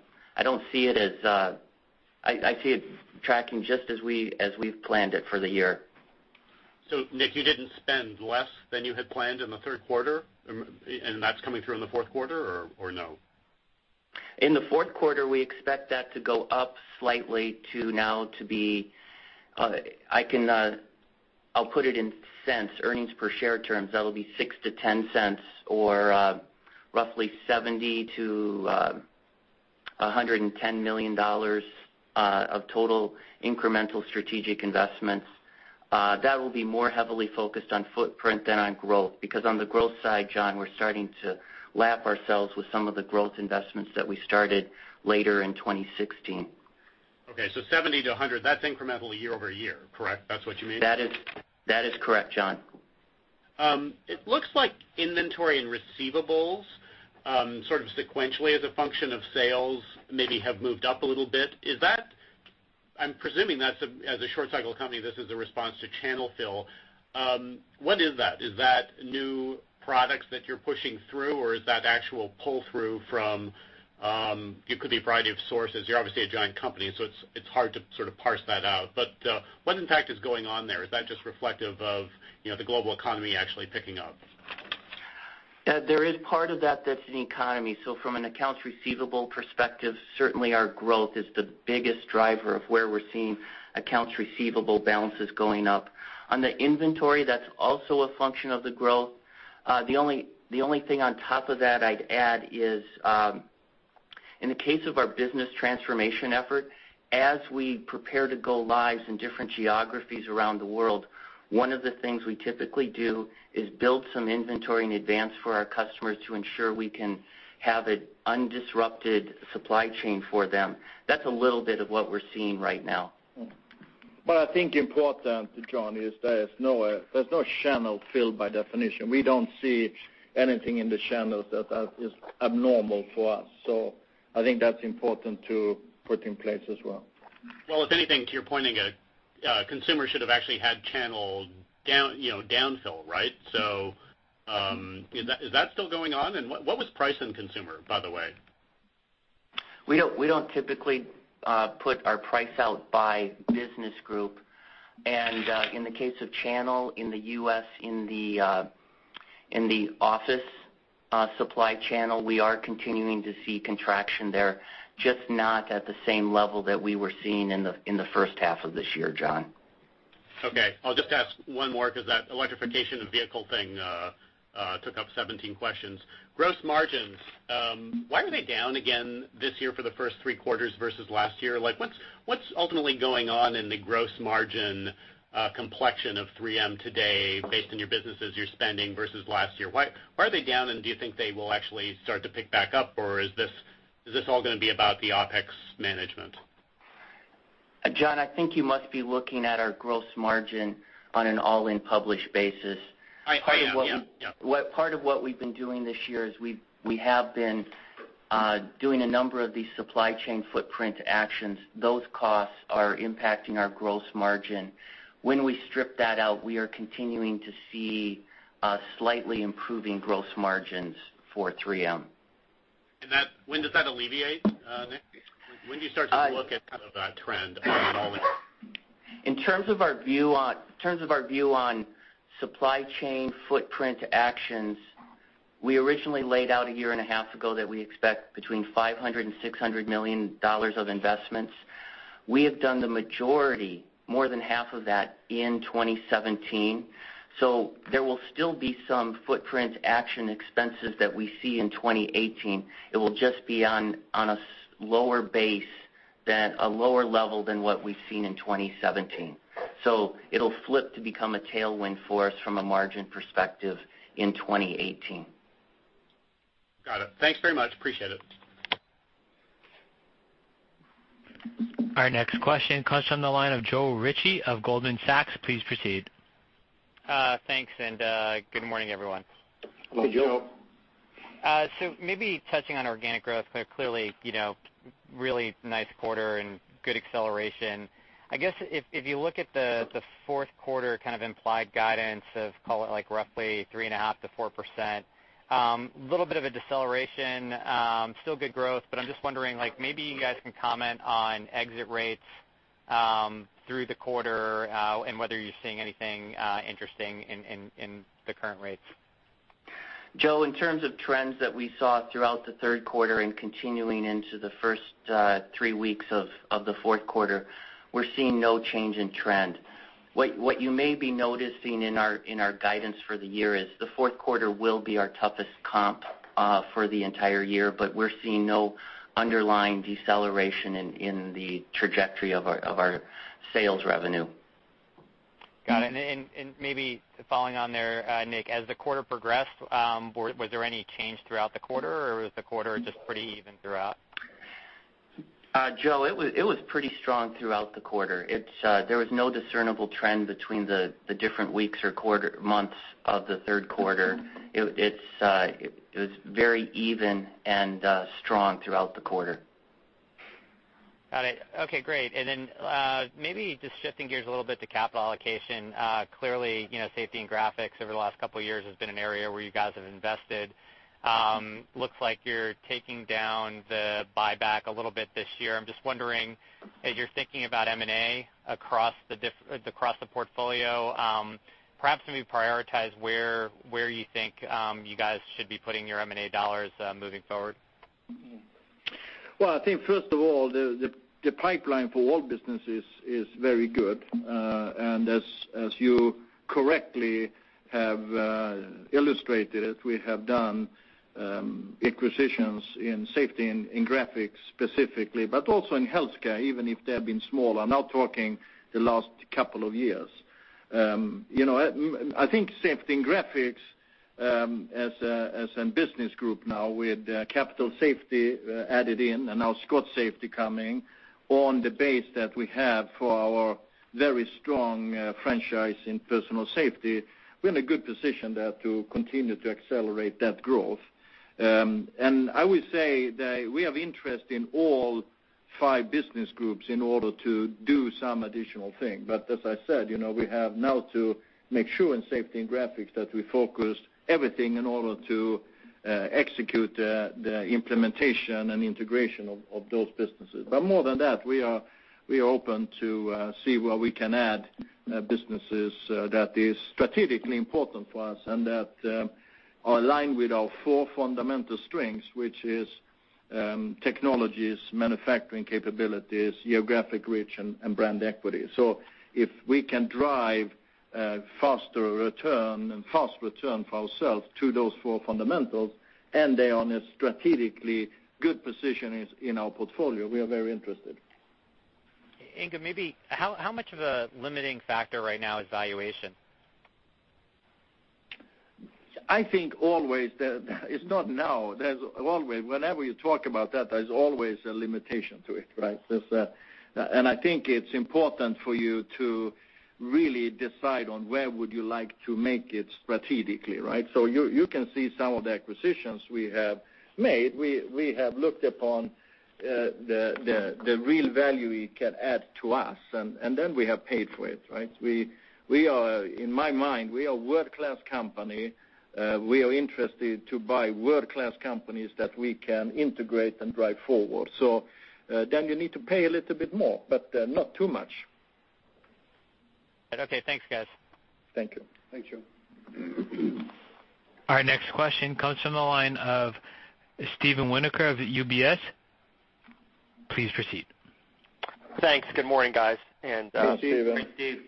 see it tracking just as we've planned it for the year. Nick, you didn't spend less than you had planned in the third quarter, and that's coming through in the fourth quarter, or no? In the fourth quarter, we expect that to go up slightly to now to be, I'll put it in cents, earnings per share terms. That'll be $0.06-$0.10 or roughly $70 million-$110 million of total incremental strategic investments. That will be more heavily focused on footprint than on growth, because on the growth side, John, we're starting to lap ourselves with some of the growth investments that we started later in 2016. Okay, 70 to 100, that's incremental year-over-year, correct? That's what you mean? That is correct, John. It looks like inventory and receivables sort of sequentially as a function of sales, maybe have moved up a little bit. I'm presuming as a short cycle company, this is a response to channel fill. What is that? Is that new products that you're pushing through, or is that actual pull-through from, it could be a variety of sources. You're obviously a giant company, it's hard to sort of parse that out. What in fact is going on there? Is that just reflective of the global economy actually picking up? There is part of that that's an economy. From an accounts receivable perspective, certainly our growth is the biggest driver of where we're seeing accounts receivable balances going up. On the inventory, that's also a function of the growth. The only thing on top of that I'd add is, in the case of our business transformation effort, as we prepare to go live in different geographies around the world, one of the things we typically do is build some inventory in advance for our customers to ensure we can have an undisrupted supply chain for them. That's a little bit of what we're seeing right now. I think important, John, is there is no channel fill by definition. We don't see anything in the channels that is abnormal for us. I think that's important to put in place as well. Well, if anything, to your point, Nick, consumer should have actually had channel downfill, right? Is that still going on? What was price in consumer, by the way? We don't typically put our price out by business group. In the case of channel in the U.S., in the office supply channel, we are continuing to see contraction there, just not at the same level that we were seeing in the first half of this year, John. Okay. I'll just ask one more, because that electrification of vehicle thing took up 17 questions. Gross margins, why were they down again this year for the first three quarters versus last year? What's ultimately going on in the gross margin complexion of 3M today based on your businesses you're spending versus last year? Why are they down, and do you think they will actually start to pick back up, or is this all going to be about the OpEx management? John, I think you must be looking at our gross margin on an all-in published basis. I am, yeah. Part of what we've been doing this year is we have been doing a number of these supply chain footprint actions. Those costs are impacting our gross margin. We strip that out, we are continuing to see slightly improving gross margins for 3M. When does that alleviate, Nick? When do you start to look at that trend on an all-in? In terms of our view on supply chain footprint actions, we originally laid out a year and a half ago that we expect between $500 million and $600 million of investments. We have done the majority, more than half of that, in 2017. There will still be some footprint action expenses that we see in 2018. It will just be on a lower level than what we've seen in 2017. It'll flip to become a tailwind for us from a margin perspective in 2018. Got it. Thanks very much. Appreciate it. Our next question comes from the line of Joe Ritchie of Goldman Sachs. Please proceed. Thanks. Good morning, everyone. Hello, Joe. Joe. Maybe touching on organic growth, but clearly really nice quarter and good acceleration. I guess if you look at the fourth quarter kind of implied guidance of, call it like roughly 3.5%-4%, little bit of a deceleration, still good growth, but I'm just wondering, maybe you guys can comment on exit rates through the quarter and whether you're seeing anything interesting in the current rates. Joe, in terms of trends that we saw throughout the third quarter and continuing into the first three weeks of the fourth quarter, we're seeing no change in trend. What you may be noticing in our guidance for the year is the fourth quarter will be our toughest comp for the entire year, but we're seeing no underlying deceleration in the trajectory of our sales revenue. Got it. Maybe following on there, Nick, as the quarter progressed, was there any change throughout the quarter, or was the quarter just pretty even throughout? Joe, it was pretty strong throughout the quarter. There was no discernible trend between the different weeks or months of the third quarter. It was very even and strong throughout the quarter. Got it. Okay, great. Maybe just shifting gears a little bit to capital allocation. Clearly, Safety and Graphics over the last couple of years has been an area where you guys have invested. Looks like you're taking down the buyback a little bit this year. I'm just wondering, as you're thinking about M&A across the portfolio, perhaps can we prioritize where you think you guys should be putting your M&A dollars moving forward? Well, I think first of all, the pipeline for all businesses is very good. As you correctly have illustrated it, we have done acquisitions in Safety and in Graphics specifically, but also in Healthcare, even if they have been smaller. I'm now talking the last couple of years. I think Safety and Graphics, as a business group now with Capital Safety added in and now Scott Safety coming on the base that we have for our very strong franchise in personal safety, we're in a good position there to continue to accelerate that growth. I would say that we have interest in all five business groups in order to do some additional thing. As I said, we have now to make sure in Safety and Graphics that we focus everything in order to execute the implementation and integration of those businesses. More than that, we are open to see where we can add businesses that is strategically important for us and that are aligned with our four fundamental strengths, which is technologies, manufacturing capabilities, geographic reach, and brand equity. If we can drive a faster return and fast return for ourselves to those four fundamentals, and they are in a strategically good position in our portfolio, we are very interested. Inge, maybe how much of a limiting factor right now is valuation? I think always, it's not now, there's always. Whenever you talk about that, there's always a limitation to it, right? I think it's important for you to really decide on where would you like to make it strategically, right? You can see some of the acquisitions we have made. We have looked upon the real value it can add to us, and then we have paid for it, right? In my mind, we are a world-class company. We are interested to buy world-class companies that we can integrate and drive forward. Then you need to pay a little bit more, but not too much. Okay, thanks, guys. Thank you. Thank you. Our next question comes from the line of Steven Winoker of UBS. Please proceed. Thanks. Good morning, guys. Good Steve. Good Steve.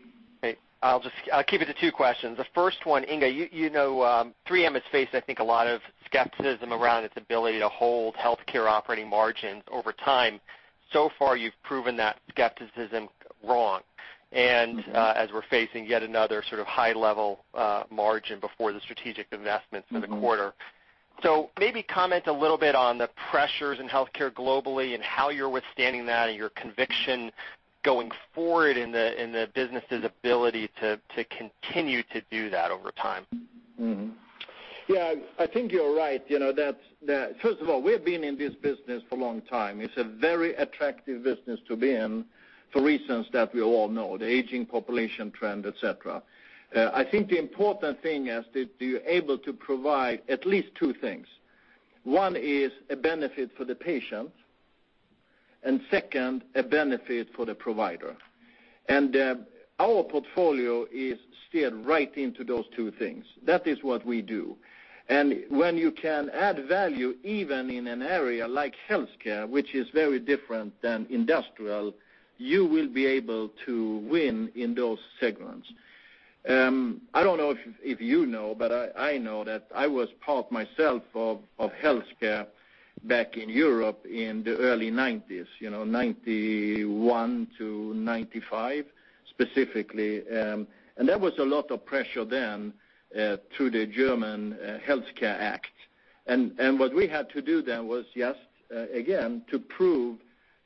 Hey, I'll keep it to two questions. The first one, Inge, you know 3M is facing, I think, a lot of skepticism around its ability to hold healthcare operating margins over time. So far, you've proven that skepticism wrong, and as we're facing yet another sort of high-level margin before the strategic investments for the quarter. Maybe comment a little bit on the pressures in healthcare globally and how you're withstanding that and your conviction going forward in the business's ability to continue to do that over time. Yeah, I think you're right. First of all, we've been in this business for a long time. It's a very attractive business to be in for reasons that we all know, the aging population trend, et cetera. I think the important thing is that you're able to provide at least two things. One is a benefit for the patient, and second, a benefit for the provider. Our portfolio is steered right into those two things. That is what we do. When you can add value, even in an area like healthcare, which is very different than Industrial, you will be able to win in those segments. I don't know if you know, but I know that I was part myself of healthcare back in Europe in the early 1990s, 1991 to 1995 specifically. There was a lot of pressure then through the German Healthcare Act. What we had to do then was, just again, to prove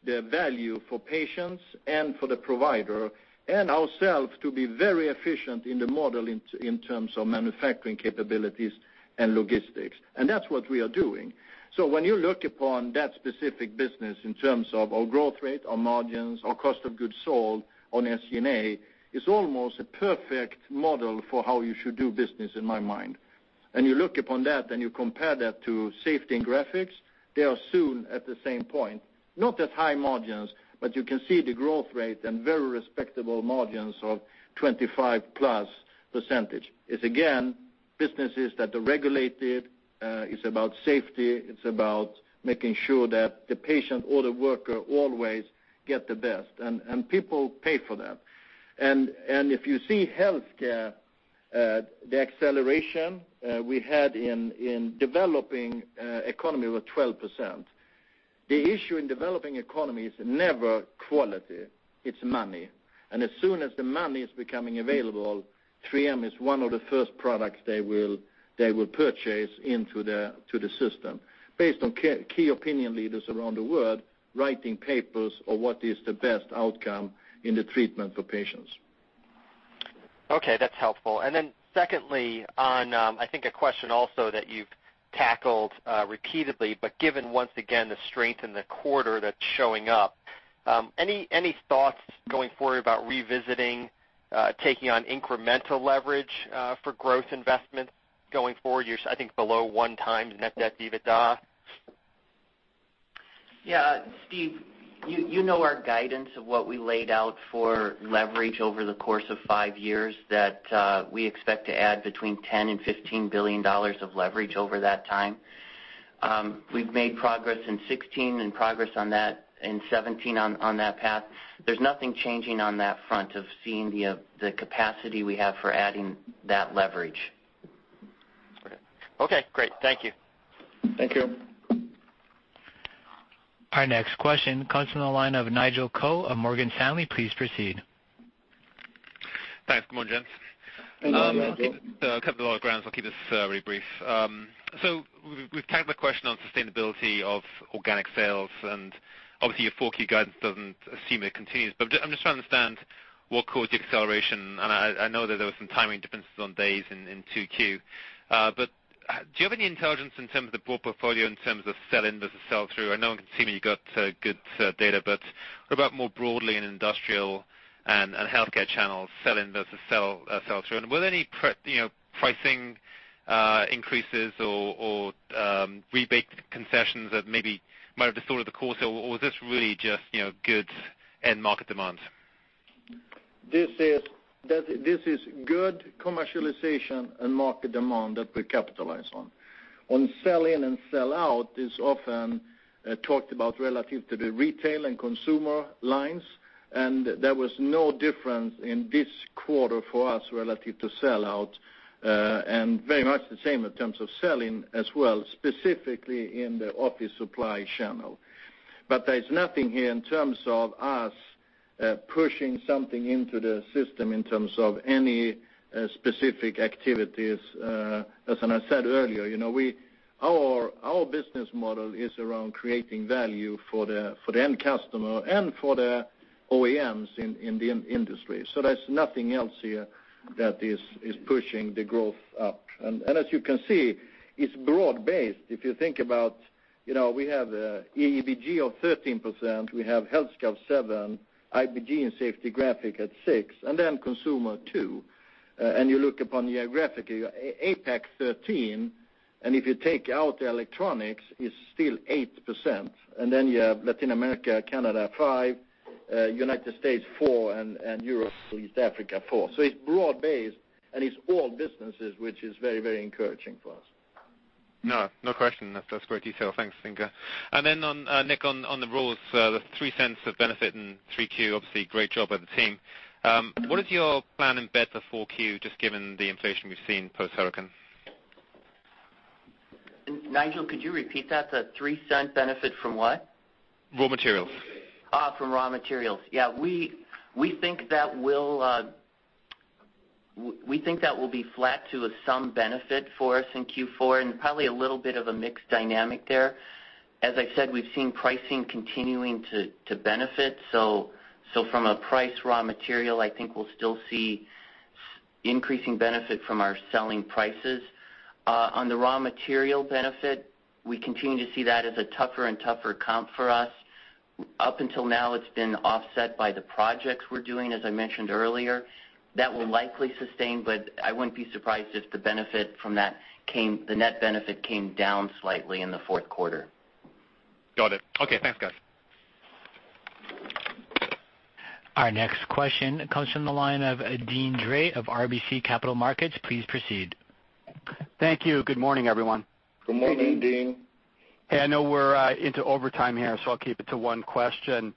the value for patients and for the provider and ourselves to be very efficient in the model in terms of manufacturing capabilities and logistics. That's what we are doing. When you look upon that specific business in terms of our growth rate, our margins, our cost of goods sold on SG&A, it's almost a perfect model for how you should do business, in my mind. You look upon that, and you compare that to Safety and Graphics, they are soon at the same point, not at high margins, but you can see the growth rate and very respectable margins of 25%+. It's, again, businesses that are regulated. It's about safety. It's about making sure that the patient or the worker always get the best, and people pay for that. If you see healthcare, the acceleration we had in developing economy was 12%. The issue in developing economy is never quality, it's money. As soon as the money is becoming available, 3M is one of the first products they will purchase into the system based on key opinion leaders around the world writing papers on what is the best outcome in the treatment for patients. Okay, that's helpful. Secondly, on, I think, a question also that you've tackled repeatedly, but given once again the strength in the quarter that's showing up, any thoughts going forward about revisiting taking on incremental leverage for growth investments going forward? You're, I think, below one times net debt EBITDA. Yeah, Steve, you know our guidance of what we laid out for leverage over the course of five years, that we expect to add between $10 billion and $15 billion of leverage over that time. We've made progress in 2016 and progress on that in 2017 on that path. There's nothing changing on that front of seeing the capacity we have for adding that leverage. Okay, great. Thank you. Thank you. Our next question comes from the line of Nigel Coe of Morgan Stanley. Please proceed. Thanks. Good morning, gents. Good morning, Nigel. Good morning. We've tackled the question on sustainability of organic sales. Obviously, your full-year guidance doesn't assume it continues, but I'm just trying to understand what caused the acceleration. I know that there was some timing differences on days in 2Q. Do you have any intelligence in terms of the broad portfolio in terms of sell-in versus sell-through? I know one can see when you got good data, but what about more broadly in Industrial and healthcare channels, sell-in versus sell-through? Were there any pricing increases or rebate concessions that maybe might have distorted the course, or was this really just good end market demands? This is good commercialization and market demand that we capitalize on. On sell-in and sell-out is often talked about relative to the retail and consumer lines, there was no difference in this quarter for us relative to sell-out. Very much the same in terms of sell-in as well, specifically in the office supply channel. There's nothing here in terms of us pushing something into the system in terms of any specific activities. As I said earlier, our business model is around creating value for the end customer and for the OEMs in the industry. There's nothing else here that is pushing the growth up. As you can see, it's broad-based. If you think about, we have EEBG of 13%, we have Health Care 7%, Industrial and Safety and Graphics at 6%, then Consumer at 2%. You look upon geographically, APAC 13%, if you take out electronics, it's still 8%. You have Latin America, Canada, 5%, U.S., 4%, Europe, Mideast Africa, 4%. It's broad-based, it's all businesses, which is very encouraging for us. No. No question. That's great detail. Thanks, Inge. Nick, on the raws, the $0.03 of benefit in Q3, obviously great job by the team. What is your plan in bet for Q4, just given the inflation we've seen post-hurricane? Nigel, could you repeat that? The $0.03 benefit from what? Raw materials. From raw materials. Yeah. We think that will be flat to some benefit for us in Q4, probably a little bit of a mixed dynamic there. As I said, we've seen pricing continuing to benefit. From a price raw material, I think we'll still see increasing benefit from our selling prices. On the raw material benefit, we continue to see that as a tougher and tougher comp for us. Up until now, it's been offset by the projects we're doing, as I mentioned earlier. That will likely sustain, but I wouldn't be surprised if the net benefit came down slightly in the fourth quarter. Got it. Okay, thanks, guys. Our next question comes from the line of Deane Dray of RBC Capital Markets. Please proceed. Thank you. Good morning, everyone. Good morning, Deane. Hey, I know we're into overtime here, so I'll keep it to one question.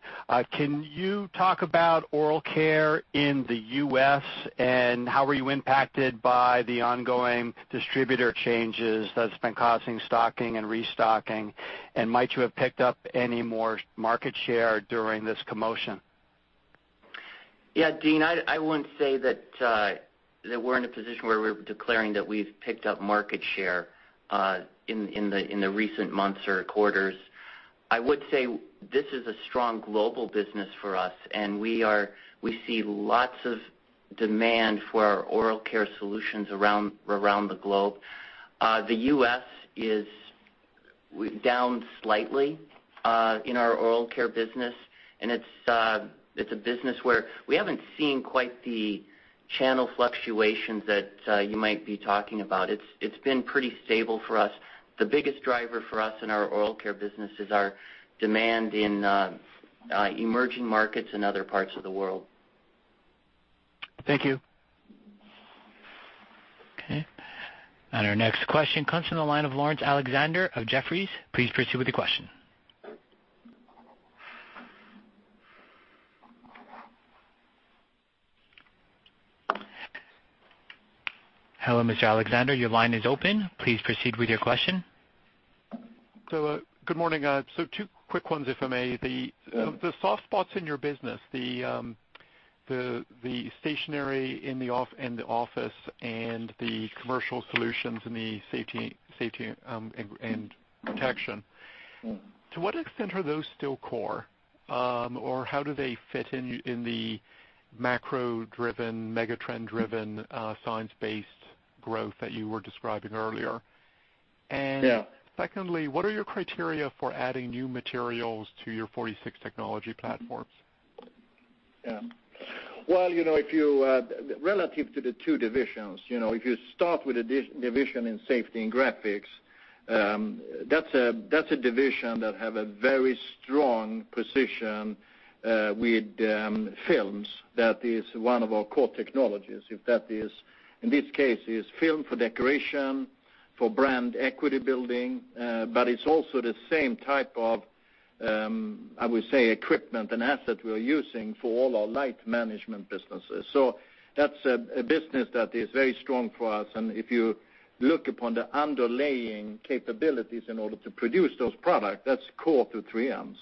Can you talk about oral care in the U.S., and how were you impacted by the ongoing distributor changes that's been causing stocking and restocking, and might you have picked up any more market share during this commotion? Yeah, Deane, I wouldn't say that we're in a position where we're declaring that we've picked up market share in the recent months or quarters. I would say this is a strong global business for us, and we see lots of demand for our oral care solutions around the globe. The U.S. is down slightly, in our oral care business, and it's a business where we haven't seen quite the channel fluctuations that you might be talking about. It's been pretty stable for us. The biggest driver for us in our oral care business is our demand in emerging markets and other parts of the world. Thank you. Okay. Our next question comes from the line of Laurence Alexander of Jefferies. Please proceed with your question. Hello, Mr. Alexander, your line is open. Please proceed with your question. Good morning. Two quick ones, if I may. The soft spots in your business, the Stationery and Office and the commercial solutions in the safety and protection. To what extent are those still core? How do they fit in the macro-driven, mega-trend driven, science-based growth that you were describing earlier? Yeah. Secondly, what are your criteria for adding new materials to your 46 technology platforms? Relative to the two divisions, if you start with the division in Safety and Graphics, that's a division that have a very strong position with films. That is one of our core technologies. In this case, it is film for decoration, for brand equity building, but it's also the same type of equipment and asset we're using for all our light management businesses. That's a business that is very strong for us, and if you look upon the underlying capabilities in order to produce those product, that's core to 3M.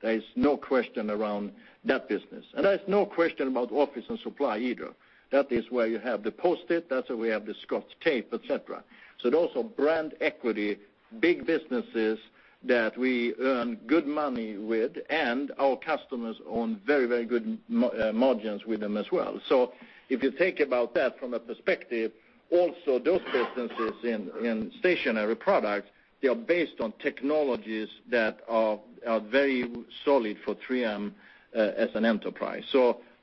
There is no question around that business. There's no question about Office and Supply either. That is where you have the Post-it, that's where we have the Scotch tape, et cetera. Those are brand equity, big businesses that we earn good money with, and our customers own very good margins with them as well. If you think about that from a perspective, also those businesses in stationery products, they are based on technologies that are very solid for 3M as an enterprise.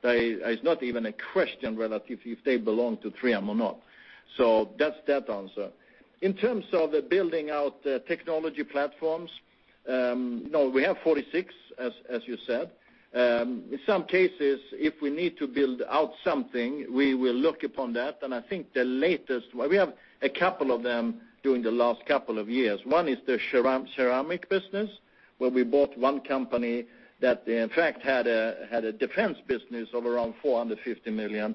There is not even a question relative if they belong to 3M or not. That's that answer. In terms of the building out the technology platforms. We have 46, as you said. In some cases, if we need to build out something, we will look upon that. I think the latest, we have a couple of them during the last couple of years. One is the ceramic business, where we bought one company that in fact had a defense business of around $450 million.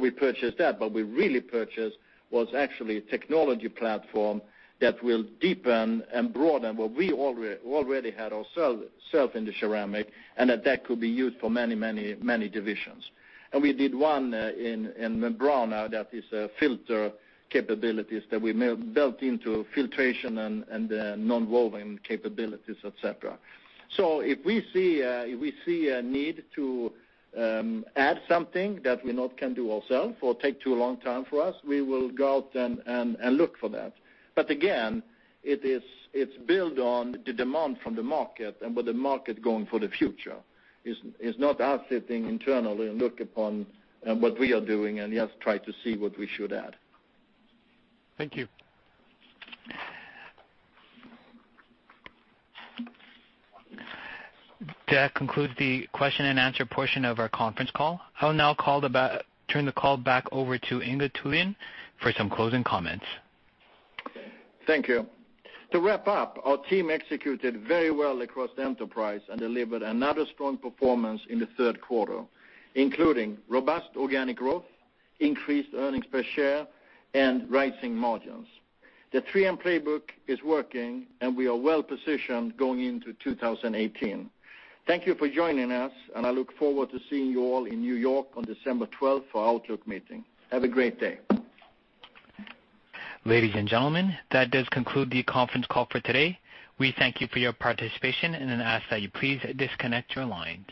We purchased that, but we really purchased was actually a technology platform that will deepen and broaden what we already had ourself in the ceramic, and that could be used for many, many, many divisions. We did one in Membrana that is a filter capabilities that we built into filtration and nonwoven capabilities, et cetera. If we see a need to add something that we not can do ourself or take too long time for us, we will go out and look for that. Again, it's build on the demand from the market and where the market going for the future. It's not us sitting internally and look upon what we are doing and just try to see what we should add. Thank you. That concludes the question and answer portion of our conference call. I'll now turn the call back over to Inge Thulin for some closing comments. Thank you. To wrap up, our team executed very well across the enterprise and delivered another strong performance in the third quarter, including robust organic growth, increased earnings per share, and rising margins. The 3M playbook is working, and we are well-positioned going into 2018. Thank you for joining us, and I look forward to seeing you all in New York on December 12th for our outlook meeting. Have a great day. Ladies and gentlemen, that does conclude the conference call for today. We thank you for your participation and then ask that you please disconnect your lines.